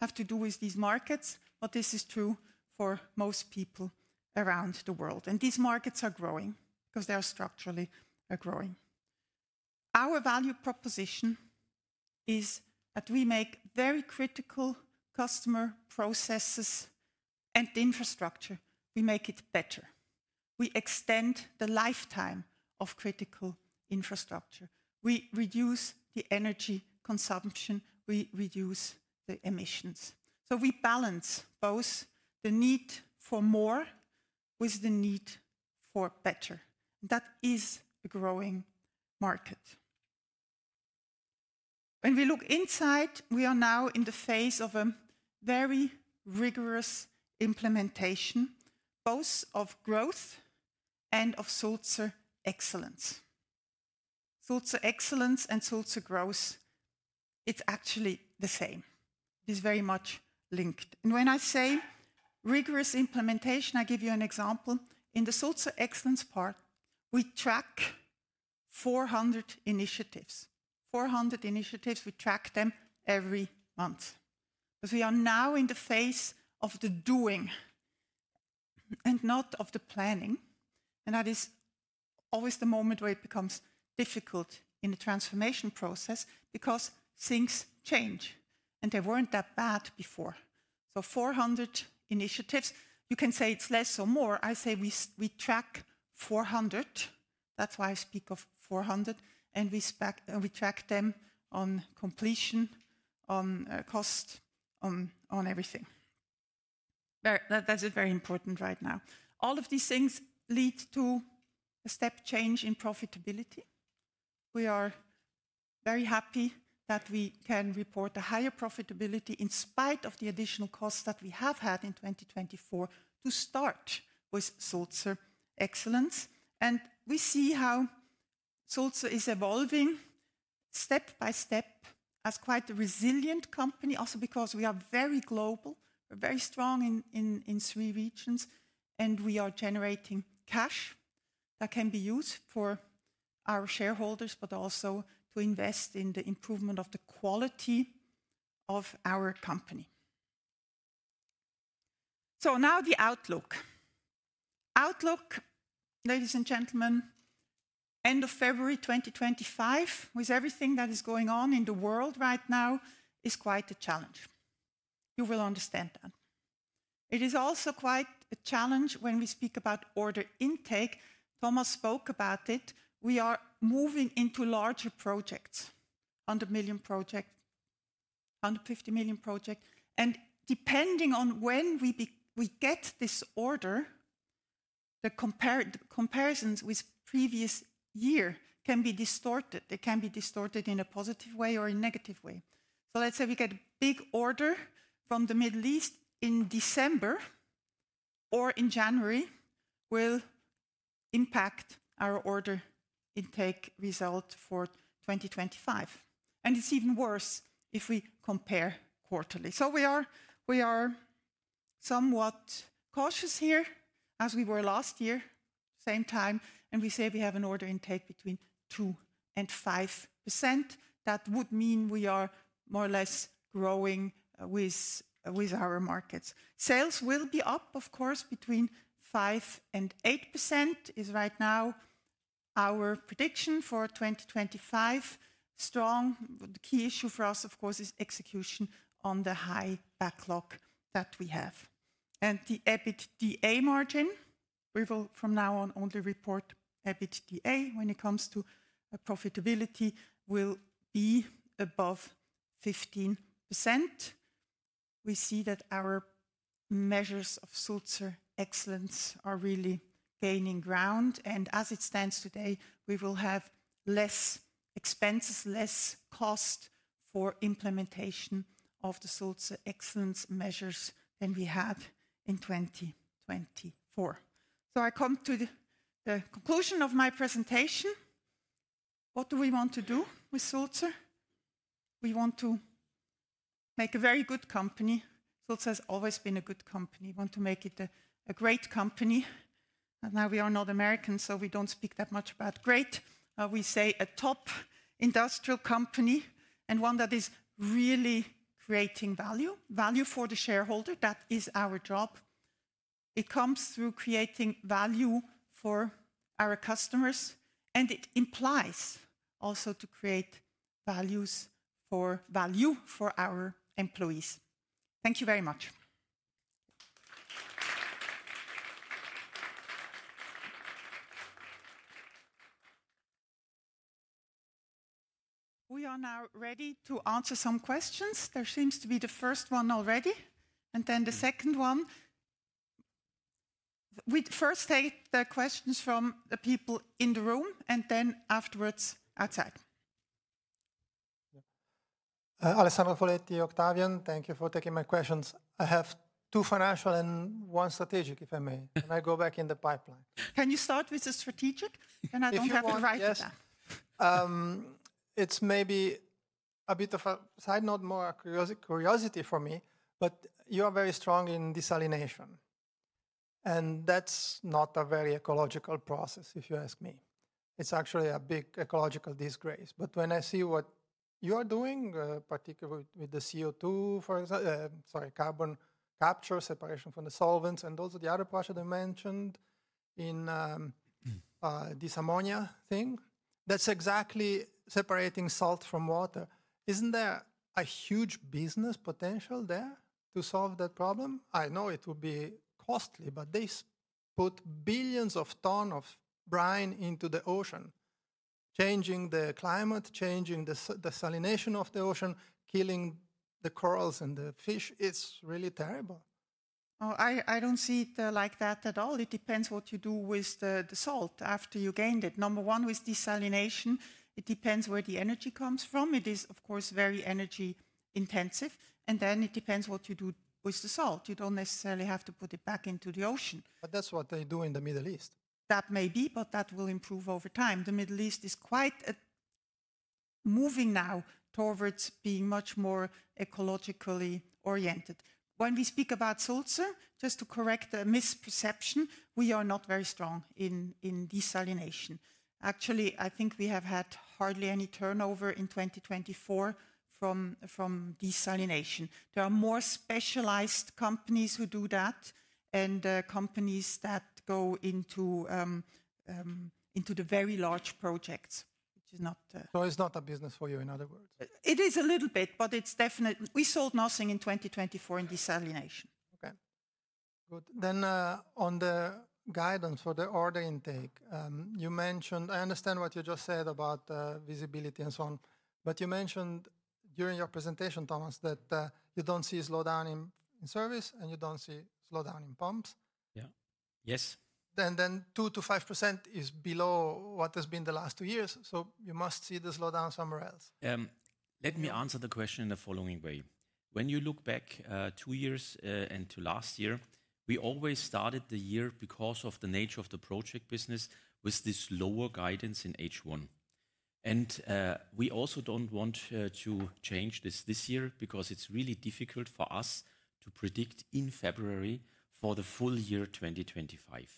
have to do with these markets, but this is true for most people around the world, and these markets are growing because they are structurally growing. Our value proposition is that we make very critical customer processes and infrastructure. We make it better. We extend the lifetime of critical infrastructure. We reduce the energy consumption. We reduce the emissions. So we balance both the need for more with the need for better. And that is a growing market. When we look inside, we are now in the phase of a very rigorous implementation, both of growth and of Sulzer Excellence. Sulzer Excellence and Sulzer growth, it's actually the same. It is very much linked. And when I say rigorous implementation, I give you an example. In the Sulzer Excellence part, we track 400 initiatives. 400 initiatives, we track them every month. Because we are now in the phase of the doing and not of the planning. And that is always the moment where it becomes difficult in the transformation process because things change and they weren't that bad before. So 400 initiatives, you can say it's less or more. I say we track 400. That's why I speak of 400, and we track them on completion, on cost, on everything. That's very important right now. All of these things lead to a step change in profitability. We are very happy that we can report a higher profitability in spite of the additional costs that we have had in 2024 to start with Sulzer Excellence. And we see how Sulzer is evolving step by step as quite a resilient company, also because we are very global, we're very strong in three regions, and we are generating cash that can be used for our shareholders, but also to invest in the improvement of the quality of our company, so now the outlook. Outlook, ladies and gentlemen, end of February 2025, with everything that is going on in the world right now, is quite a challenge. You will understand that. It is also quite a challenge when we speak about order intake. Thomas spoke about it. We are moving into larger projects, 100 million projects, 150 million projects. And depending on when we get this order, the comparisons with previous year can be distorted. They can be distorted in a positive way or a negative way. So let's say we get a big order from the Middle East in December or in January, will impact our order intake result for 2025. And it's even worse if we compare quarterly. So we are somewhat cautious here as we were last year, same time. And we say we have an order intake between 2% and 5%. That would mean we are more or less growing with our markets. Sales will be up, of course, between 5% and 8% is right now our prediction for 2025. Strong. The key issue for us, of course, is execution on the high backlog that we have, and the EBITDA margin, we will from now on only report EBITDA when it comes to profitability, will be above 15%. We see that our measures of Sulzer Excellence are really gaining ground, and as it stands today, we will have less expenses, less cost for implementation of the Sulzer Excellence measures than we had in 2024, so I come to the conclusion of my presentation. What do we want to do with Sulzer? We want to make a very good company. Sulzer has always been a good company. We want to make it a great company. Now we are not Americans, so we don't speak that much about great. We say a top industrial company and one that is really creating value, value for the shareholder. That is our job. It comes through creating value for our customers, and it implies also to create values for value for our employees. Thank you very much. We are now ready to answer some questions. There seems to be the first one already, and then the second one. We first take the questions from the people in the room and then afterwards outside. Alessandro Foletti, Octavian AG, thank you for taking my questions. I have two financial and one strategic, if I may. Can I go back in the pipeline? Can you start with the strategic? Then I don't have to write it down. It's maybe a bit of a side note, more curiosity for me, but you are very strong in desalination, and that's not a very ecological process, if you ask me. It's actually a big ecological disgrace. But when I see what you are doing, particularly with the CO2, for example, sorry, carbon capture, separation from the solvents, and those are the other projects I mentioned in this ammonia thing. That's exactly separating salt from water. Isn't there a huge business potential there to solve that problem? I know it would be costly, but they put billions of tons of brine into the ocean, changing the climate, changing the salinization of the ocean, killing the corals and the fish. It's really terrible. I don't see it like that at all. It depends what you do with the salt after you gained it. Number one, with desalination, it depends where the energy comes from. It is, of course, very energy intensive. And then it depends what you do with the salt. You don't necessarily have to put it back into the ocean. But that's what they do in the Middle East. That may be, but that will improve over time. The Middle East is quite moving now towards being much more ecologically oriented. When we speak about Sulzer, just to correct the misperception, we are not very strong in desalination. Actually, I think we have had hardly any turnover in 2024 from desalination. There are more specialized companies who do that and companies that go into the very large projects, which is not. So it's not a business for you, in other words. It is a little bit, but it's definitely. We sold nothing in 2024 in desalination. Okay. Good. Then on the guidance for the order intake, you mentioned. I understand what you just said about visibility and so on, but you mentioned during your presentation, Thomas, that you don't see a slowdown in service and you don't see a slowdown in pumps.. Yes. And then 2%-5% is below what has been the last two years. So you must see the slowdown somewhere else. Let me answer the question in the following way. When you look back two years and to last year, we always started the year because of the nature of the project business with this lower guidance in H1. And we also don't want to change this this year because it's really difficult for us to predict in February for the full year 2025.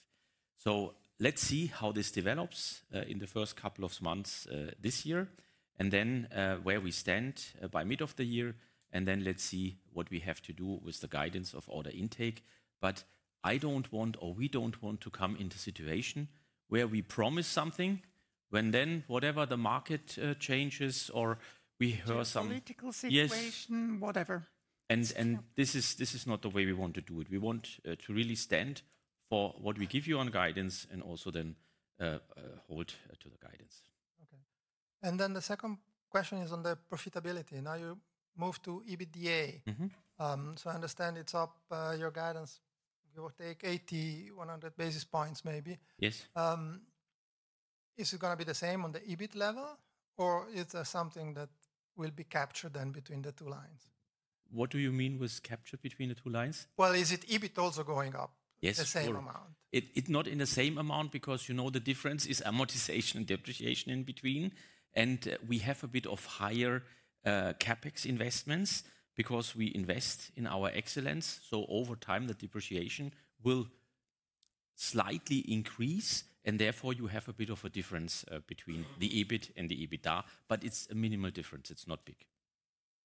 So let's see how this develops in the first couple of months this year and then where we stand by mid of the year. And then let's see what we have to do with the guidance of order intake. But I don't want or we don't want to come into a situation where we promise something when then whatever the market changes or we hear some political situation, whatever. And this is not the way we want to do it. We want to really stand for what we give you on guidance and also then hold to the guidance. Okay. And then the second question is on the profitability. Now you moved to EBITDA. So I understand it's up your guidance. You will take 80-100 basis points maybe. Yes. Is it going to be the same on the EBIT level or is there something that will be captured then between the two lines? What do you mean with captured between the two lines, well, is it EBIT also going up? Yes, it's not in the same amount because you know the difference is amortization and depreciation in between, and we have a bit of higher CapEx investments because we invest in our excellence, so over time, the depreciation will slightly increase and therefore you have a bit of a difference between the EBIT and the EBITDA, but it's a minimal difference. It's not big,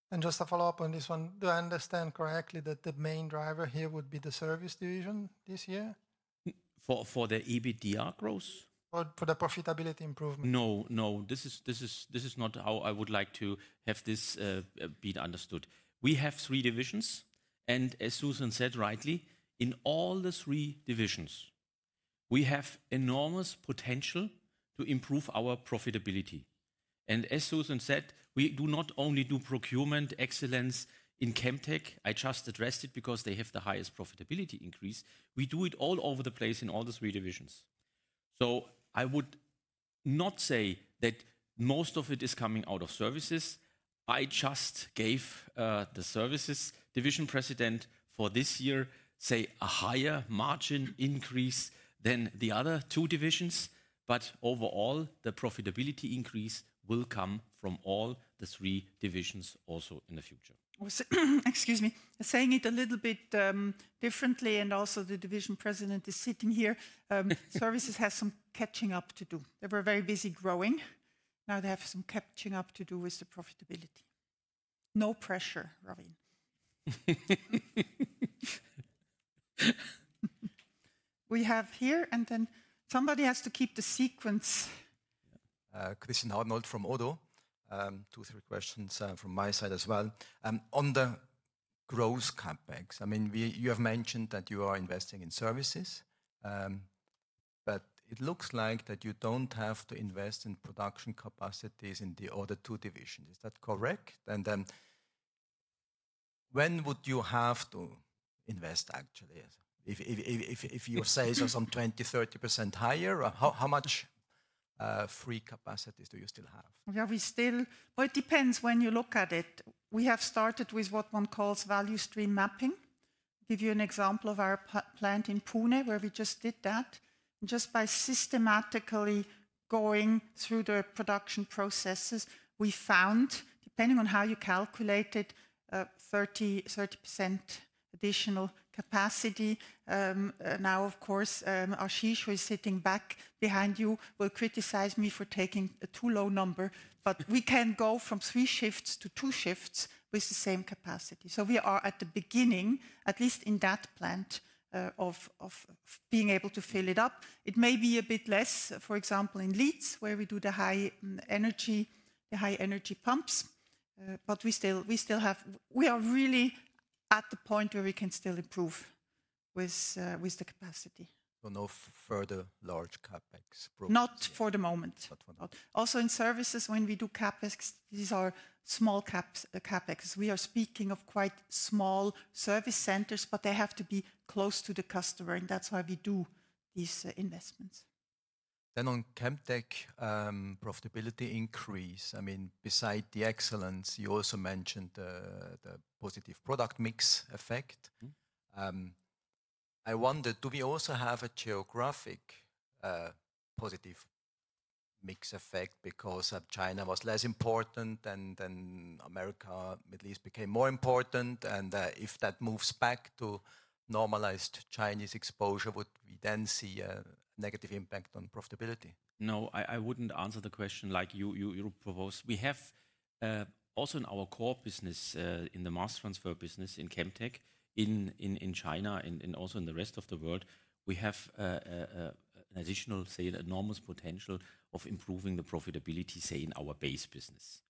and just to follow up on this one, do I understand correctly that the main driver here would be the service division this year? For the EBITDA growth? For the profitability improvement? No, no. This is not how I would like to have this be understood. We have three divisions. As Suzanne Thoma said rightly, in all three divisions, we have enormous potential to improve our profitability. As Suzanne Thoma said, we do not only do procurement excellence in Chemtech. I just addressed it because they have the highest profitability increase. We do it all over the place in all three divisions. I would not say that most of it is coming out of Services. I just gave the Services division president for this year, say, a higher margin increase than the other two divisions. Overall, the profitability increase will come from all three divisions also in the future. Excuse me. Saying it a little bit differently and also the division president is sitting here. Services has some catching up to do. They were very busy growing. Now they have some catching up to do with the profitability. No pressure, Tim Schulten. We have here, and then somebody has to keep the sequence. Christian Arnold from ODDO BHF. Two or three questions from my side as well. On the growth CapEx, I mean, you have mentioned that you are investing in services, but it looks like that you don't have to invest in production capacities in the other two divisions. Is that correct? And when would you have to invest, actually? If your sales are some 20%-30% higher, how much free capacity do you still have? Well, it depends when you look at it. We have started with what one calls value stream mapping. I'll give you an example of our plant in Pune where we just did that. Just by systematically going through the production processes, we found, depending on how you calculate it, 30% additional capacity. Now, of course, Ashish, who is sitting back behind you, will criticize me for taking a too low number, but we can go from three shifts to two shifts with the same capacity. So we are at the beginning, at least in that plant of being able to fill it up. It may be a bit less, for example, in Leeds where we do the high energy, the high energy pumps, but we still have, we are really at the point where we can still improve with the capacity. So no further large CapEx? Not for the moment. Also in services, when we do CapEx, these are small CapEx. We are speaking of quite small service centers, but they have to be close to the customer. And that's why we do these investments. Then, on Chemtech profitability increase, I mean, besides the excellence, you also mentioned the positive product mix effect. I wondered, do we also have a geographic positive mix effect because China was less important and then America, Middle East became more important? And if that moves back to normalized Chinese exposure, would we then see a negative impact on profitability? No, I wouldn't answer the question like you proposed. We have also in our core business, in the mass transfer business in Chemtech, in China, and also in the rest of the world, we have an additional, say, enormous potential of improving the profitability, say, in our base business.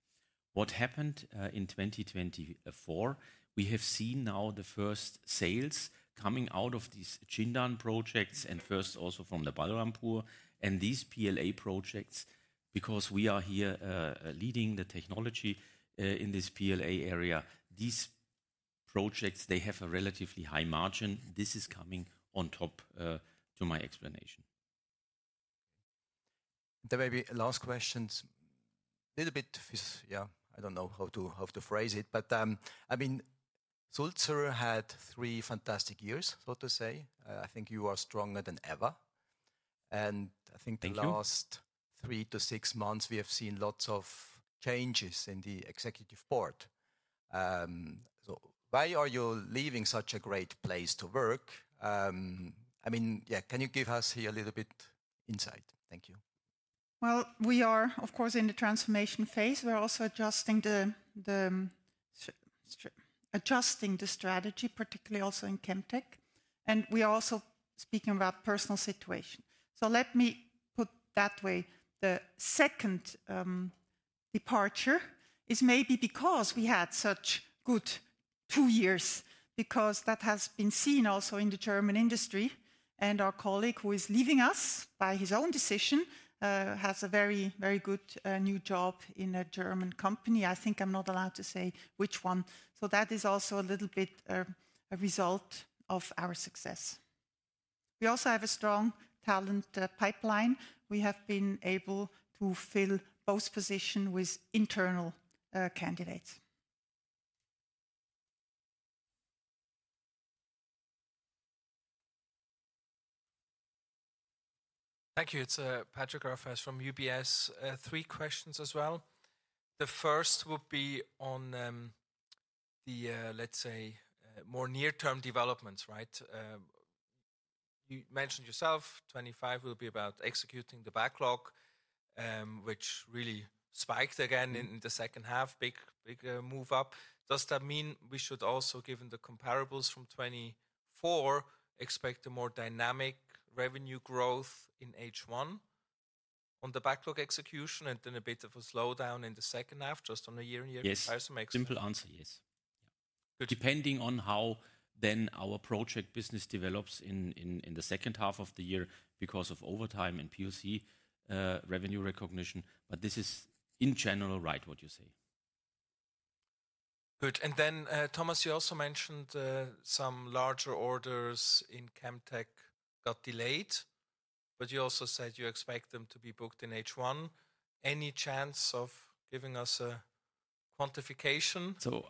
What happened in 2024? We have seen now the first sales coming out of these Jindan projects and first also from the Balrampur and these PLA projects because we are here leading the technology in this PLA area. These projects, they have a relatively high margin. This is coming on top to my explanation. There may be last questions. A little bit of this,, I don't know how to phrase it, but I mean, Sulzer had three fantastic years, so to say. I think you are stronger than ever, and I think the last three to six months, we have seen lots of changes in the executive board. So why are you leaving such a great place to work? I mean,, can you give us here a little bit insight? Thank you. Well, we are, of course, in the transformation phase. We're also adjusting the strategy, particularly also in Chemtech, and we are also speaking about personal situation, so let me put that way. The second departure is maybe because we had such good two years because that has been seen also in the German industry. And our colleague who is leaving us by his own decision has a very, very good new job in a German company. I think I'm not allowed to say which one. So that is also a little bit a result of our success. We also have a strong talent pipeline. We have been able to fill both positions with internal candidates. Thank you. It's Patrick Rafaisz from UBS. Three questions as well. The first would be on the, let's say, more near-term developments, right? You mentioned yourself, 2025 will be about executing the backlog, which really spiked again in the second half, big move up. Does that mean we should also, given the comparables from 2024, expect a more dynamic revenue growth in H1 on the backlog execution and then a bit of a slowdown in the second half, just on a year-on-year comparison? Yes. Simple answer, yes. Depending on how then our project business develops in the second half of the year because of overtime and POC revenue recognition. But this is in general right, what you say. Good. And then, Thomas, you also mentioned some larger orders in Chemtech got delayed, but you also said you expect them to be booked in H1. Any chance of giving us a quantification? So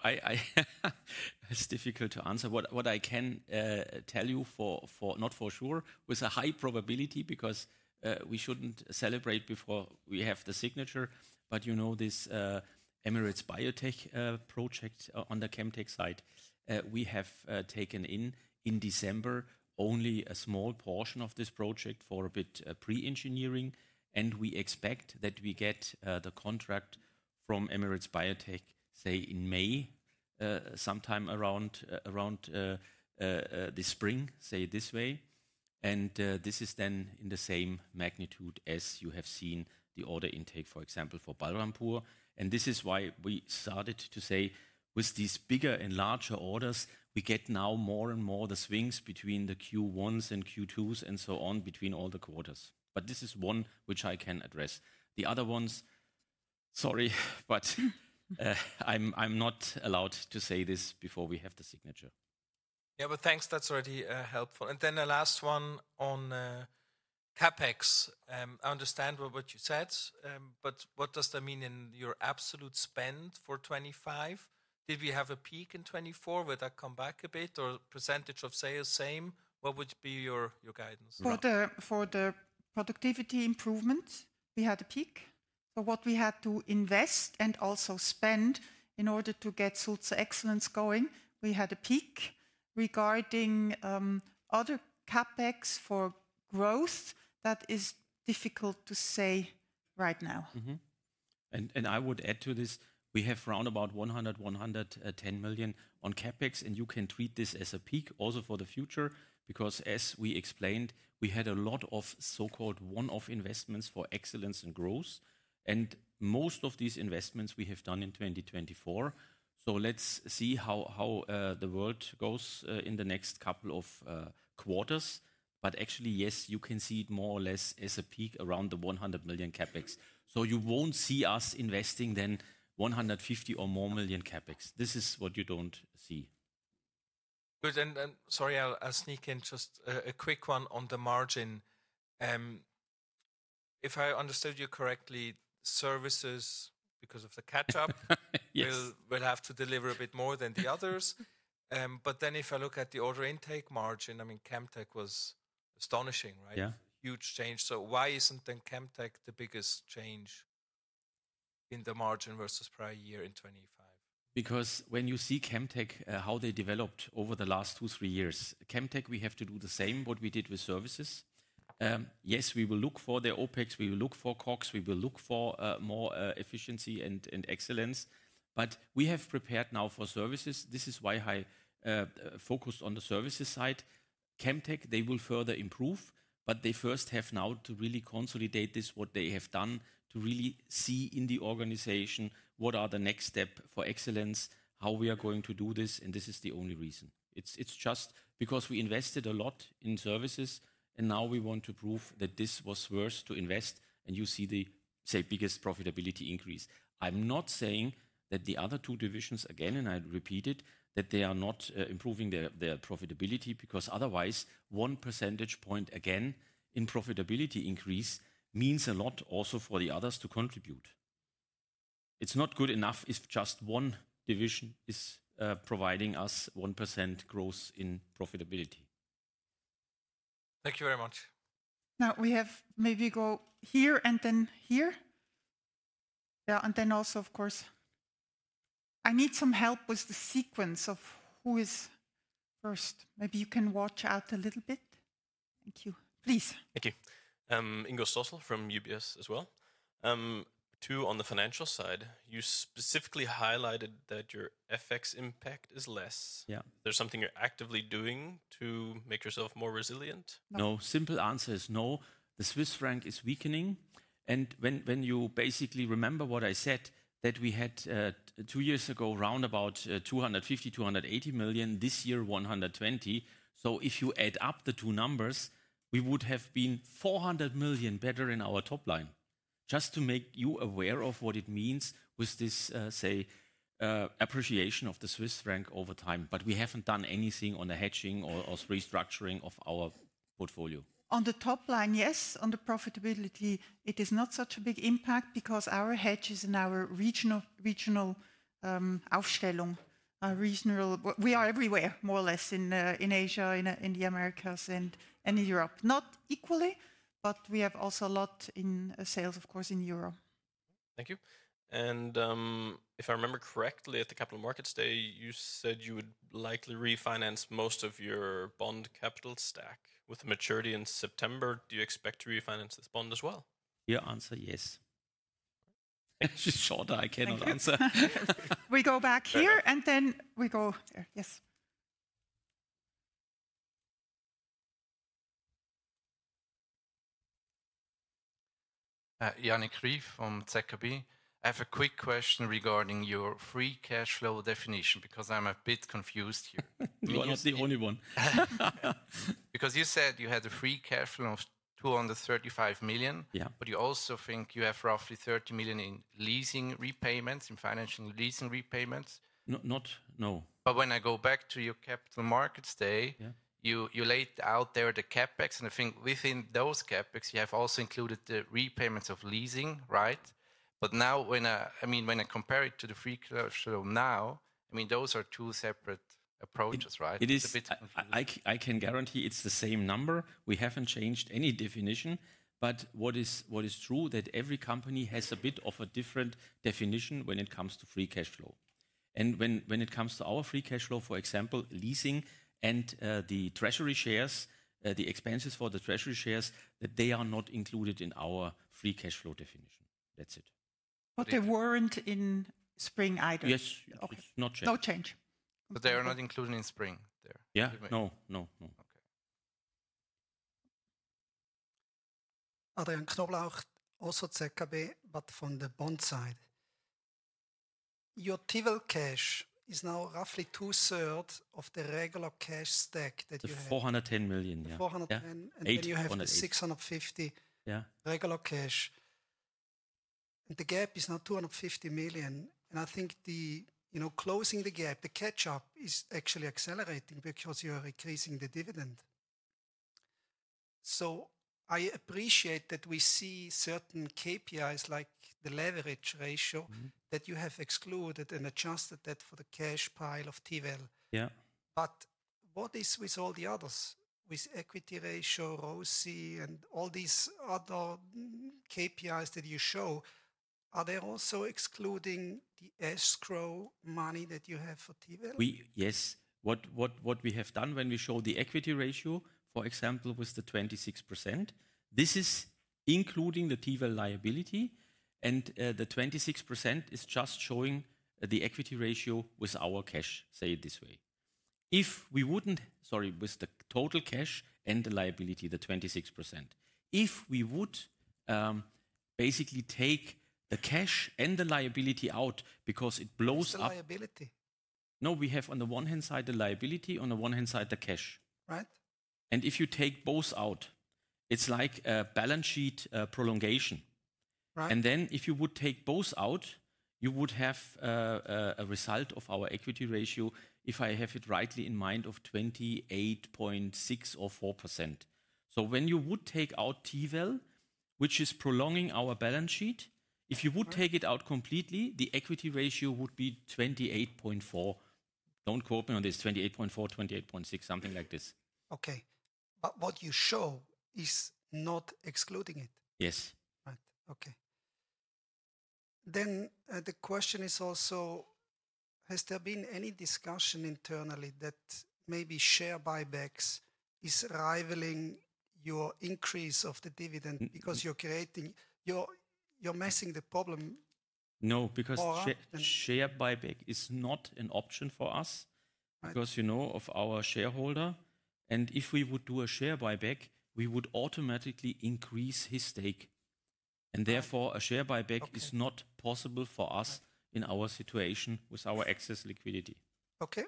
it's difficult to answer. What I can tell you but not for sure with a high probability because we shouldn't celebrate before we have the signature. But you know this Emirates Biotech project on the Chemtech side. We have taken in December only a small portion of this project for a bit pre-engineering. And we expect that we get the contract from Emirates Biotech, say, in May, sometime around the spring, say this way. And this is then in the same magnitude as you have seen the order intake, for example, for Balrampur. And this is why we started to say with these bigger and larger orders, we get now more and more the swings between the Q1s and Q2s and so on between all the quarters. But this is one which I can address. The other ones, sorry, but I'm not allowed to say this before we have the signature., but thanks. That's already helpful. And then the last one on CapEx. I understand what you said, but what does that mean in your absolute spend for 2025? Did we have a peak in 2024? Will that come back a bit or percentage of sales same? What would be your guidance? For the productivity improvement, we had a peak. For what we had to invest and also spend in order to get Sulzer Excellence going, we had a peak. Regarding other CapEx for growth, that is difficult to say right now. And I would add to this, we have round about 100-110 million on CapEx, and you can treat this as a peak also for the future because, as we explained, we had a lot of so-called one-off investments for excellence and growth. And most of these investments we have done in 2024. So let's see how the world goes in the next couple of quarters. But actually, yes, you can see it more or less as a peak around the 100 million CapEx. So you won't see us investing then 150 million or more CapEx. This is what you don't see. Good. And sorry, I'll sneak in just a quick one on the margin. If I understood you correctly, services, because of the catch-up, will have to deliver a bit more than the others. But then if I look at the order intake margin, I mean, Chemtech was astonishing, right? Huge change. So why isn't then Chemtech the biggest change in the margin versus prior year in 2025? Because when you see Chemtech, how they developed over the last two, three years, Chemtech, we have to do the same what we did with services. Yes, we will look for the OpEx, we will look for COGS, we will look for more efficiency and excellence. But we have prepared now for services. This is why I focused on the services side. Chemtech, they will further improve, but they first have now to really consolidate this, what they have done to really see in the organization what are the next step for excellence, how we are going to do this. And this is the only reason. It's just because we invested a lot in services and now we want to prove that this was worth to invest and you see the, say, biggest profitability increase. I'm not saying that the other two divisions, again, and I repeat it, that they are not improving their profitability because otherwise one percentage point again in profitability increase means a lot also for the others to contribute. It's not good enough if just one division is providing us 1% growth in profitability. Thank you very much. Now we have maybe go here and then here., and then also, of course, I need some help with the sequence of who is first. Maybe you can watch out a little bit. Thank you. Please. Thank you. Ingo-Martin Schachel from UBS as well. Two, on the financial side, you specifically highlighted that your FX impact is less. Is there something you're actively doing to make yourself more resilient? No. Simple answer is no. The Swiss franc is weakening. And when you basically remember what I said, that we had two years ago round about 250-280 million, this year 120 million. So if you add up the two numbers, we would have been 400 million better in our top line. Just to make you aware of what it means with this, say, appreciation of the Swiss franc over time. But we haven't done anything on the hedging or restructuring of our portfolio. On the top line, yes. On the profitability, it is not such a big impact because our hedges and our regional Aufstellung, we are everywhere, more or less in Asia, in the Americas and in Europe. Not equally, but we have also a lot in sales, of course, in Europe. Thank you. And if I remember correctly, at the capital markets, you said you would likely refinance most of your bond capital stack with maturity in September. Do you expect to refinance this bond as well? Your answer, yes. Shorter, I cannot answer. We go back here and then we go here. Yes. Yannik Ryf from Zürcher Kantonalbank. I have a quick question regarding your free cash flow definition because I'm a bit confused here. You are not the only one. Because you said you had a free cash flow of 235 million, but you also think you have roughly 30 million in leasing repayments, in financial leasing repayments? Not, no. But when I go back to your capital markets day, you laid out there the CapEx, and I think within those CapEx, you have also included the repayments of leasing, right? But now, when I mean, when I compare it to the free cash flow now, I mean, those are two separate approaches, right? It is. I can guarantee it's the same number. We haven't changed any definition, but what is true is that every company has a bit of a different definition when it comes to free cash flow. When it comes to our free cash flow, for example, leasing and the treasury shares, the expenses for the treasury shares, that they are not included in our free cash flow definition. That's it. But they weren't in spring either. Yes. No change. No change. But they are not included in spring there.. No, no, no. Okay. Adrian Knoblauch, also Zürcher Kantonalbank, but from the bond side. Your Tiwel cash is now roughly two-thirds of the regular cash stack that you have. 410 million,. 410 million, and then you have the 650 million regular cash. And the gap is now 250 million. And I think the, you know, closing the gap, the catch-up is actually accelerating because you're increasing the dividend. So I appreciate that we see certain KPIs like the leverage ratio that you have excluded and adjusted that for the cash pile of Tiwel.. But what is with all the others? With equity ratio, ROCE, and all these other KPIs that you show, are they also excluding the escrow money that you have for Tiwel? Yes. What we have done when we show the equity ratio, for example, with the 26%, this is including the Tiwel liability. And the 26% is just showing the equity ratio with our cash, say it this way. If we wouldn't, sorry, with the total cash and the liability, the 26%. If we would basically take the cash and the liability out because it blows up. What's the liability? No, we have on the one hand side the liability, on the one hand side the cash. Right. And if you take both out, it's like a balance sheet prolongation. Right. And then if you would take both out, you would have a result of our equity ratio, if I have it rightly in mind, of 28.6% or 4%. So when you would take out Tiwel, which is prolonging our balance sheet, if you would take it out completely, the equity ratio would be 28.4%. Don't quote me on this. 28.4%, 28.6%, something like this. Okay. But what you show is not excluding it. Yes. Right. Okay. Then the question is also, has there been any discussion internally that maybe share buybacks is rivaling your increase of the dividend because you're creating, you're missing the problem? No, because share buyback is not an option for us because, you know, of our shareholder. And if we would do a share buyback, we would automatically increase his stake. And therefore, a share buyback is not possible for us in our situation with our excess liquidity. Okay.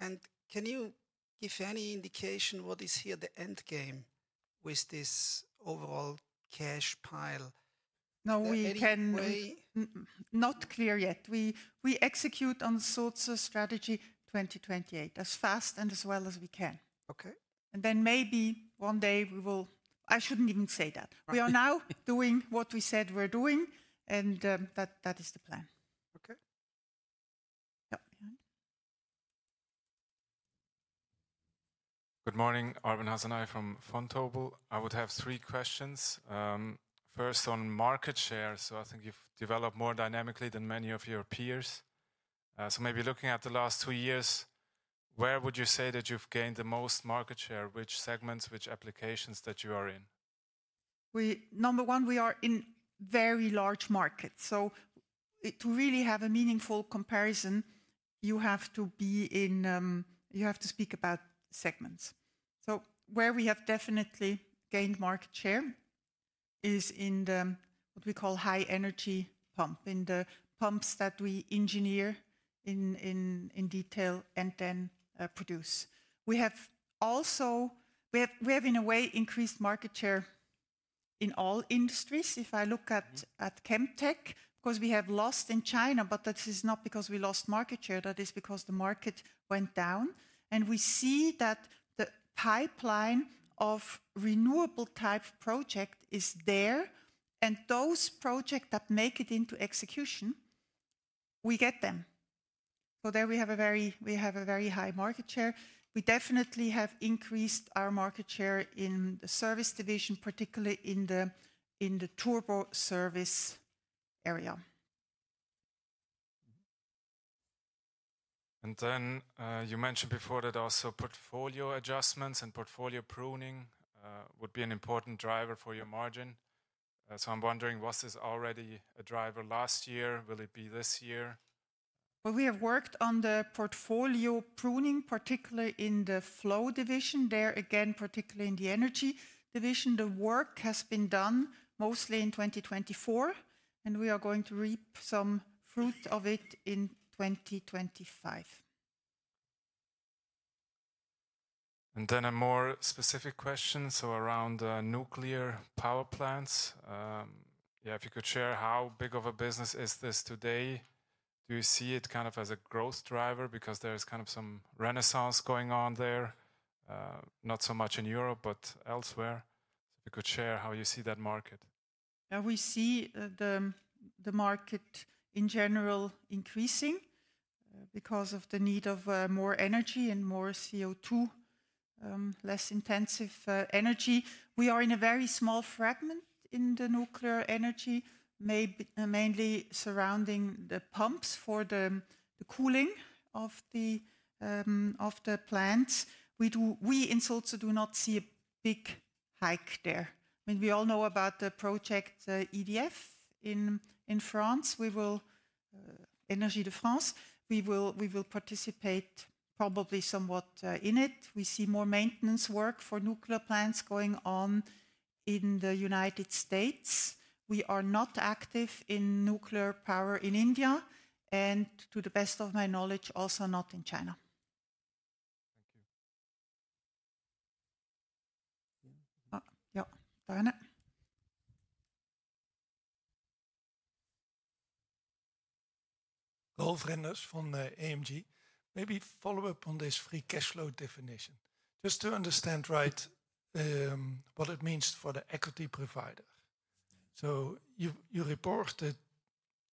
And can you give any indication what is here the end game with this overall cash pile? No, we cannot clarify yet. We execute on Sulzer Strategy 2028 as fast and as well as we can. Okay. And then maybe one day we will, I shouldn't even say that. We are now doing what we said we're doing, and that is the plan. Okay. Good morning, Arben Hasanaj from Vontobel. I would have three questions. First, on market share. So I think you've developed more dynamically than many of your peers. So maybe looking at the last two years, where would you say that you've gained the most market share? Which segments, which applications that you are in? Number one, we are in very large markets. To really have a meaningful comparison, you have to be in, you have to speak about segments. So where we have definitely gained market share is in what we call high energy pump, in the pumps that we engineer in detail and then produce. We have also, we have in a way increased market share in all industries. If I look at Chemtech, of course we have lost in China, but that is not because we lost market share. That is because the market went down. And we see that the pipeline of renewable type project is there. And those projects that make it into execution, we get them. So there we have a very, we have a very high market share. We definitely have increased our market share in the service division, particularly in the Turbo Services area. And then you mentioned before that also portfolio adjustments and portfolio pruning would be an important driver for your margin. So I'm wondering, was this already a driver last year? Will it be this year? Well, we have worked on the portfolio pruning, particularly in the Flow division there, again, particularly in the energy division. The work has been done mostly in 2024, and we are going to reap some fruit of it in 2025. And then a more specific question. So around nuclear power plants,, if you could share how big of a business is this today? Do you see it kind of as a growth driver because there's kind of some renaissance going on there, not so much in Europe, but elsewhere? If you could share how you see that market., we see the market in general increasing because of the need of more energy and more CO2, less intensive energy. We are in a very small fragment in the nuclear energy, mainly surrounding the pumps for the cooling of the plants. We in Sulzer do not see a big hike there. I mean, we all know about the project EDF in France. Électricité de France, we will participate probably somewhat in it. We see more maintenance work for nuclear plants going on in the United States. We are not active in nuclear power in India, and to the best of my knowledge, also not in China. Thank you., Arben. Holger Arens from AWP. Maybe follow up on this free cash flow definition. Just to understand right what it means for the equity provider. So you reported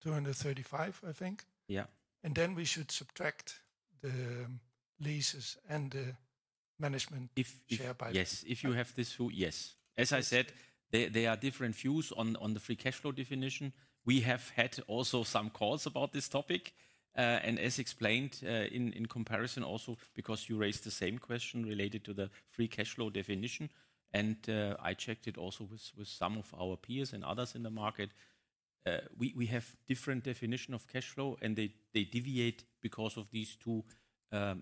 235, I think. And then we should subtract the leases and the management if share buyback. Yes, if you have this view, yes. As I said, there are different views on the free cash flow definition. We have had also some calls about this topic. And as explained in comparison also, because you raised the same question related to the free cash flow definition. And I checked it also with some of our peers and others in the market. We have different definitions of cash flow, and they deviate because of these two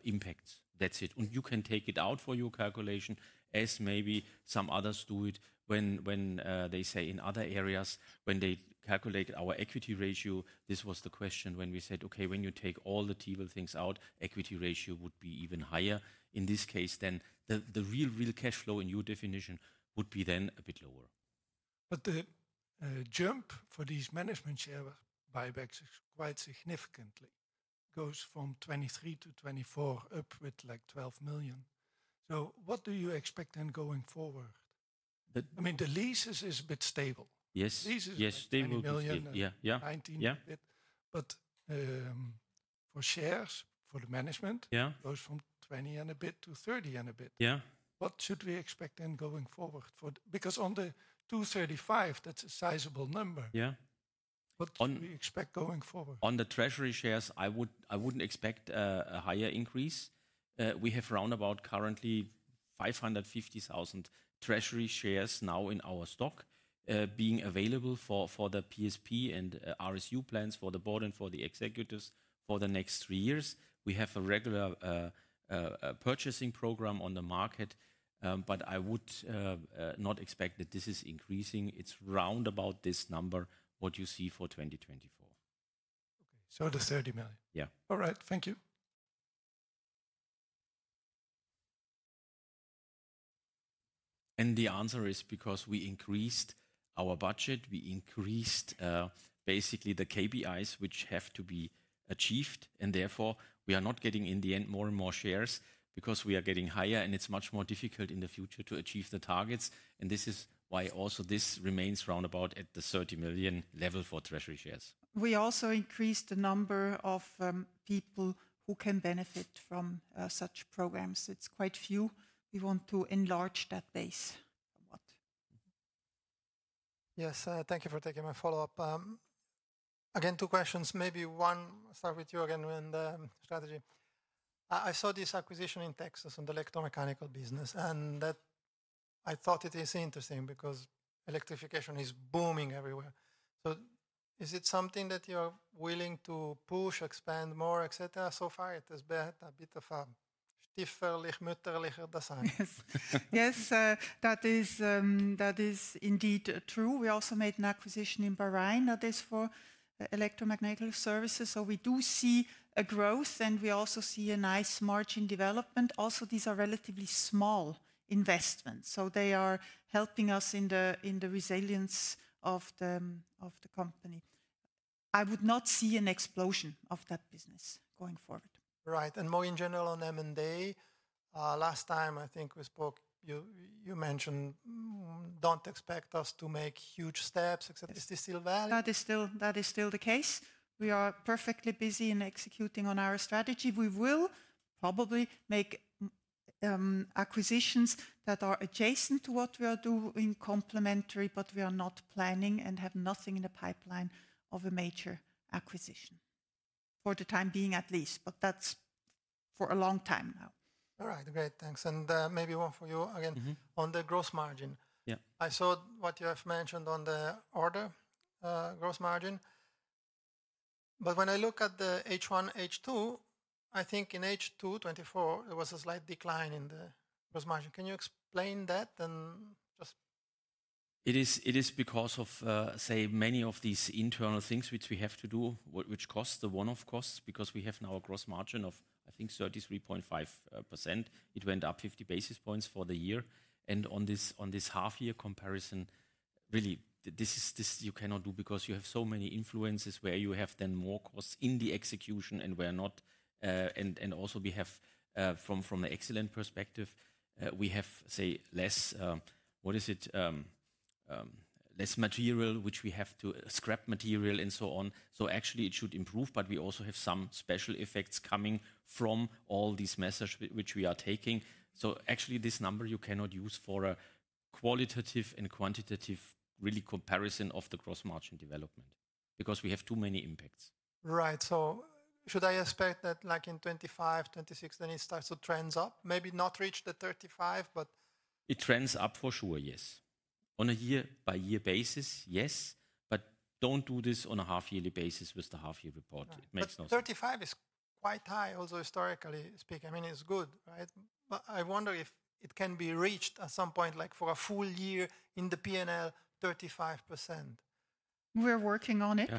impacts. That's it. And you can take it out for your calculation as maybe some others do it when they say in other areas when they calculate our equity ratio. This was the question when we said, okay, when you take all the Tiwel things out, equity ratio would be even higher. In this case, then the real, real cash flow in your definition would be then a bit lower. But the jump for these management share buybacks is quite significant. It goes from 2023 to 2024 up with like 12 million. So what do you expect then going forward? I mean, the leases is a bit stable. Yes. Leases are 19 million. Yes, stable.,. 19 a bit. But for shares, for the management, it goes from 20 and a bit to 30 and a bit.. What should we expect then going forward? Because on the 235, that's a sizable number.. What should we expect going forward? On the treasury shares, I wouldn't expect a higher increase. We have around currently 550,000 treasury shares now in our stock being available for the PSP and RSU plans for the board and for the executives for the next three years. We have a regular purchasing program on the market, but I would not expect that this is increasing. It's around this number, what you see for 2024. Okay. So the 30 million.. All right. Thank you. And the answer is because we increased our budget. We increased basically the KPIs which have to be achieved. And therefore, we are not getting in the end more and more shares because we are getting higher and it's much more difficult in the future to achieve the targets. And this is why also this remains around at the 30 million level for treasury shares. We also increased the number of people who can benefit from such programs. It's quite a few. We want to enlarge that base somewhat. Yes, thank you for taking my follow-up. Again, two questions. Maybe one start with you again and strategy. I saw this acquisition in Texas on the electromechanical business, and that I thought it is interesting because electrification is booming everywhere. So is it something that you're willing to push, expand more, etc.? So far, it has been a bit of a stiefväterlich-mütterlicher design. Yes, that is indeed true. We also made an acquisition in Bahrain that is for electromechanical services. So we do see a growth, and we also see a nice margin development. Also, these are relatively small investments. So they are helping us in the resilience of the company. I would not see an explosion of that business going forward. Right. And more in general on M&A. Last time, I think we spoke, you mentioned don't expect us to make huge steps, etc. Is this still? That is still the case. We are perfectly busy in executing on our strategy. We will probably make acquisitions that are adjacent to what we are doing, complementary, but we are not planning and have nothing in the pipeline of a major acquisition for the time being at least, but that's for a long time now. All right, great. Thanks. And maybe one for you again on the gross margin.. I saw what you have mentioned on the order gross margin. But when I look at the H1, H2, I think in H2, 24, there was a slight decline in the gross margin. Can you explain that and just. It is because of, say, many of these internal things which we have to do, which cost the one-off costs because we have now a gross margin of, I think, 33.5%. It went up 50 basis points for the year. And on this half-year comparison, really, this you cannot do because you have so many influences where you have then more costs in the execution and where not. And also we have, from the Sulzer Excellence perspective, we have, say, less material, which we have to scrap material and so on. So actually, it should improve, but we also have some special effects coming from all these measures which we are taking. So actually, this number you cannot use for a qualitative and quantitative really comparison of the gross margin development because we have too many impacts. Right. So should I expect that like in 2025, 2026, then it starts to trend up? Maybe not reach the 35%, but. It trends up for sure, yes. On a year-by-year basis, yes. But don't do this on a half-yearly basis with the half-year report. It makes no sense. 35% is quite high, also historically speaking. I mean, it's good, right? But I wonder if it can be reached at some point, like for a full year in the P&L, 35%. We're working on it.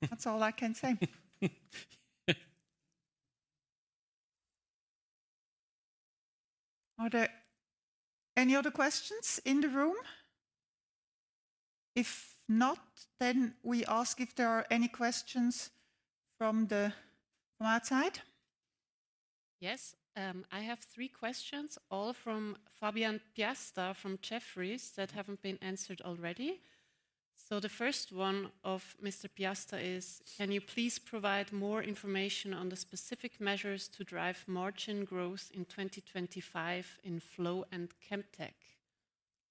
That's all I can say. Are there any other questions in the room? If not, then we ask if there are any questions from our side. Yes, I have three questions, all from Fabian Haecki from Jefferies that haven't been answered already. So the first one of Mr. Haecki, can you please provide more information on the specific measures to drive margin growth in 2025 in Flow and Chemtech?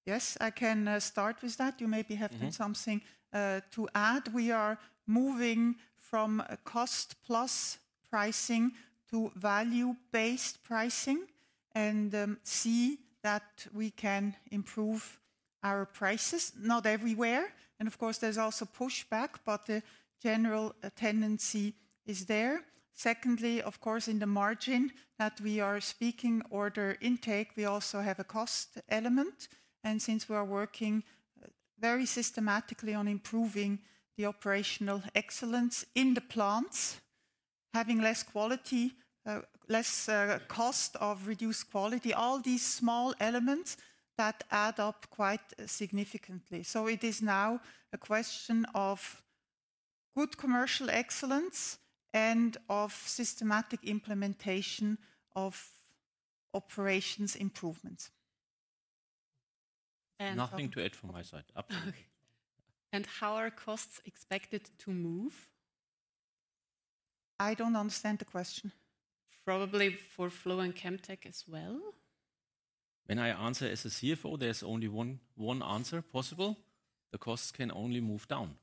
Yes, I can start with that. You may have something to add. We are moving from cost-plus pricing to value-based pricing and see that we can improve our prices, not everywhere. And of course, there's also pushback, but the general tendency is there. Secondly, of course, in the margin that we are speaking, order intake, we also have a cost element. And since we are working very systematically on improving the operational excellence in the plants, having less quality, less cost of poor quality, all these small elements that add up quite significantly. So it is now a question of good commercial excellence and of systematic implementation of operations improvements. Nothing to add from my side. Absolutely. How are costs expected to move? I don't understand the question. Probably for Flow and Chemtech as well. When I answer as a CFO, there's only one answer possible. The costs can only move down.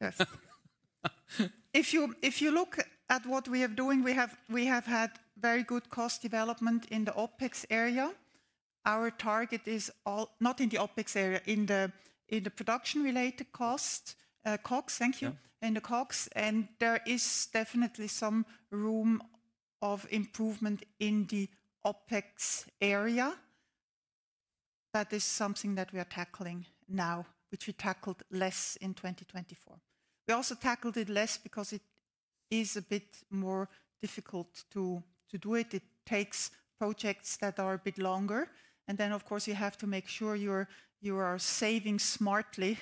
Yes. If you look at what we are doing, we have had very good cost development in the OpEx area. Our target is not in the OpEx area, in the production-related costs, COGS. Thank you. In the COGS. And there is definitely some room of improvement in the OpEx area. That is something that we are tackling now, which we tackled less in 2024. We also tackled it less because it is a bit more difficult to do it. It takes projects that are a bit longer. And then, of course, you have to make sure you are saving smartly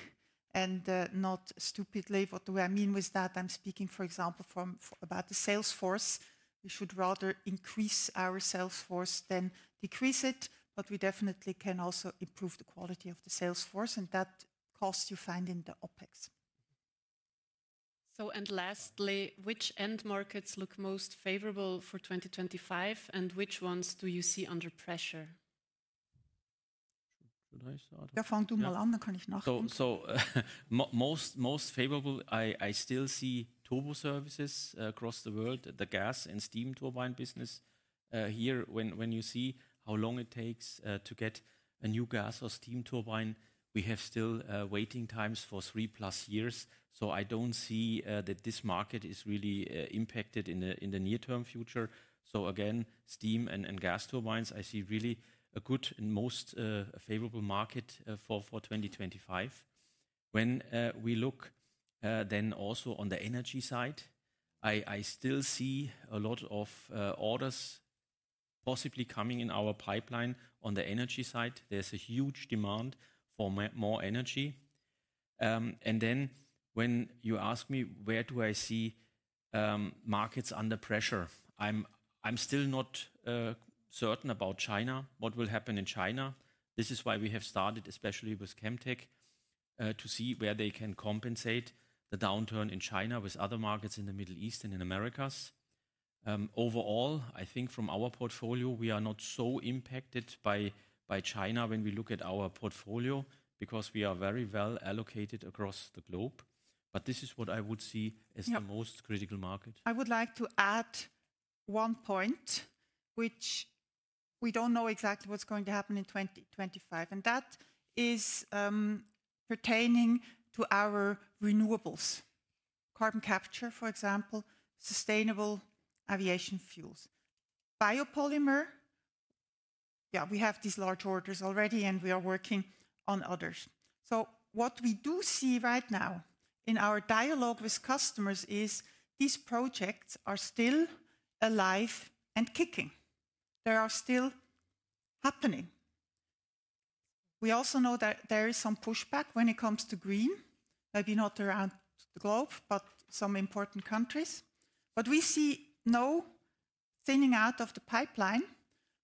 and not stupidly. What do I mean with that? I'm speaking, for example, about the sales force. We should rather increase our sales force than decrease it, but we definitely can also improve the quality of the sales force and that cost you find in the OpEx. So, and lastly, which end markets look most favorable for 2025 and which ones do you see under pressure? Should I start? Ja, fang du mal an, dann kann ich nachfragen. So, most favorable, I still Turbo Servicess across the world, the gas and steam turbine business. Here, when you see how long it takes to get a new gas or steam turbine, we have still waiting times for three plus years. So, I don't see that this market is really impacted in the near-term future. So again, steam and gas turbines, I see really a good and most favorable market for 2025. When we look then also on the energy side, I still see a lot of orders possibly coming in our pipeline on the energy side. There's a huge demand for more energy. And then when you ask me where do I see markets under pressure, I'm still not certain about China, what will happen in China. This is why we have started, especially with Chemtech, to see where they can compensate the downturn in China with other markets in the Middle East and in the Americas. Overall, I think from our portfolio, we are not so impacted by China when we look at our portfolio because we are very well allocated across the globe. But this is what I would see as the most critical market. I would like to add one point, which we don't know exactly what's going to happen in 2025, and that is pertaining to our renewables, carbon capture, for example, sustainable aviation fuels, biopolymer., we have these large orders already and we are working on others. So what we do see right now in our dialogue with customers is these projects are still alive and kicking. They are still happening. We also know that there is some pushback when it comes to green, maybe not around the globe, but some important countries. But we see no thinning out of the pipeline.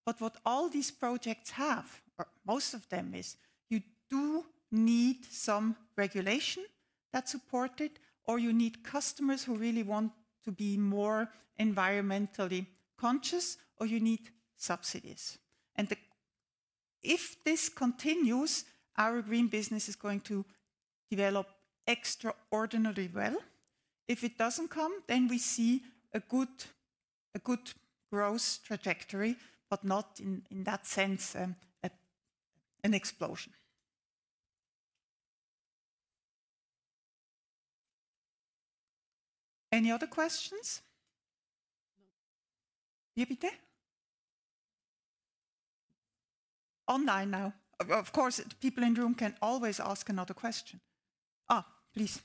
But what all these projects have, most of them is you do need some regulation that support it, or you need customers who really want to be more environmentally conscious, or you need subsidies. And if this continues, our green business is going to develop extraordinarily well. If it doesn't come, then we see a good growth trajectory, but not in that sense an explosion. Any other questions?, bitte. Online now. Of course, people in the room can always ask another question. Please.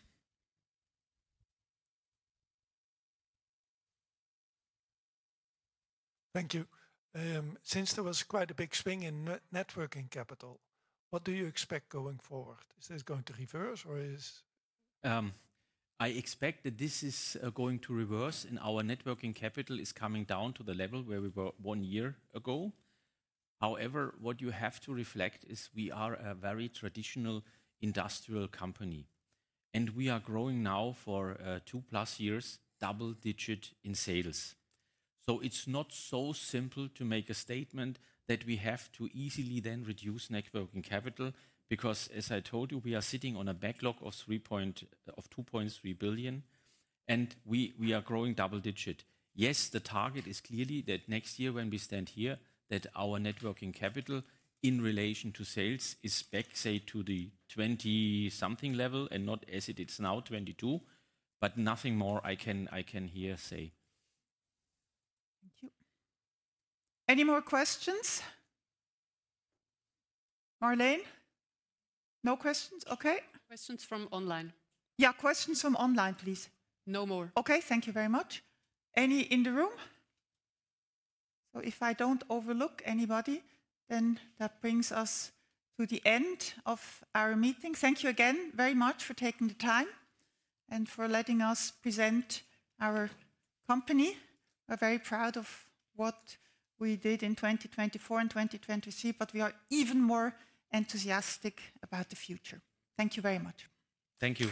Thank you. Since there was quite a big swing in net working capital, what do you expect going forward? Is this going to reverse or is? I expect that this is going to reverse and our net working capital is coming down to the level where we were one year ago. However, what you have to reflect is we are a very traditional industrial company and we are growing now for two plus years, double digit in sales. So it's not so simple to make a statement that we have to easily then reduce net working capital because, as I told you, we are sitting on a backlog of 2.3 billion and we are growing double-digit. Yes, the target is clearly that next year when we stand here, that our net working capital in relation to sales is back, say, to the 20-something level and not as it is now, 22, but nothing more I can here say. Thank you. Any more questions? Marlene? No questions? Okay. Questions from online?, questions from online, please. No more. Okay, thank you very much. Any in the room? So if I don't overlook anybody, then that brings us to the end of our meeting. Thank you again very much for taking the time and for letting us present our company. We're very proud of what we did in 2024 and 2023, but we are even more enthusiastic about the future. Thank you very much. Thank you.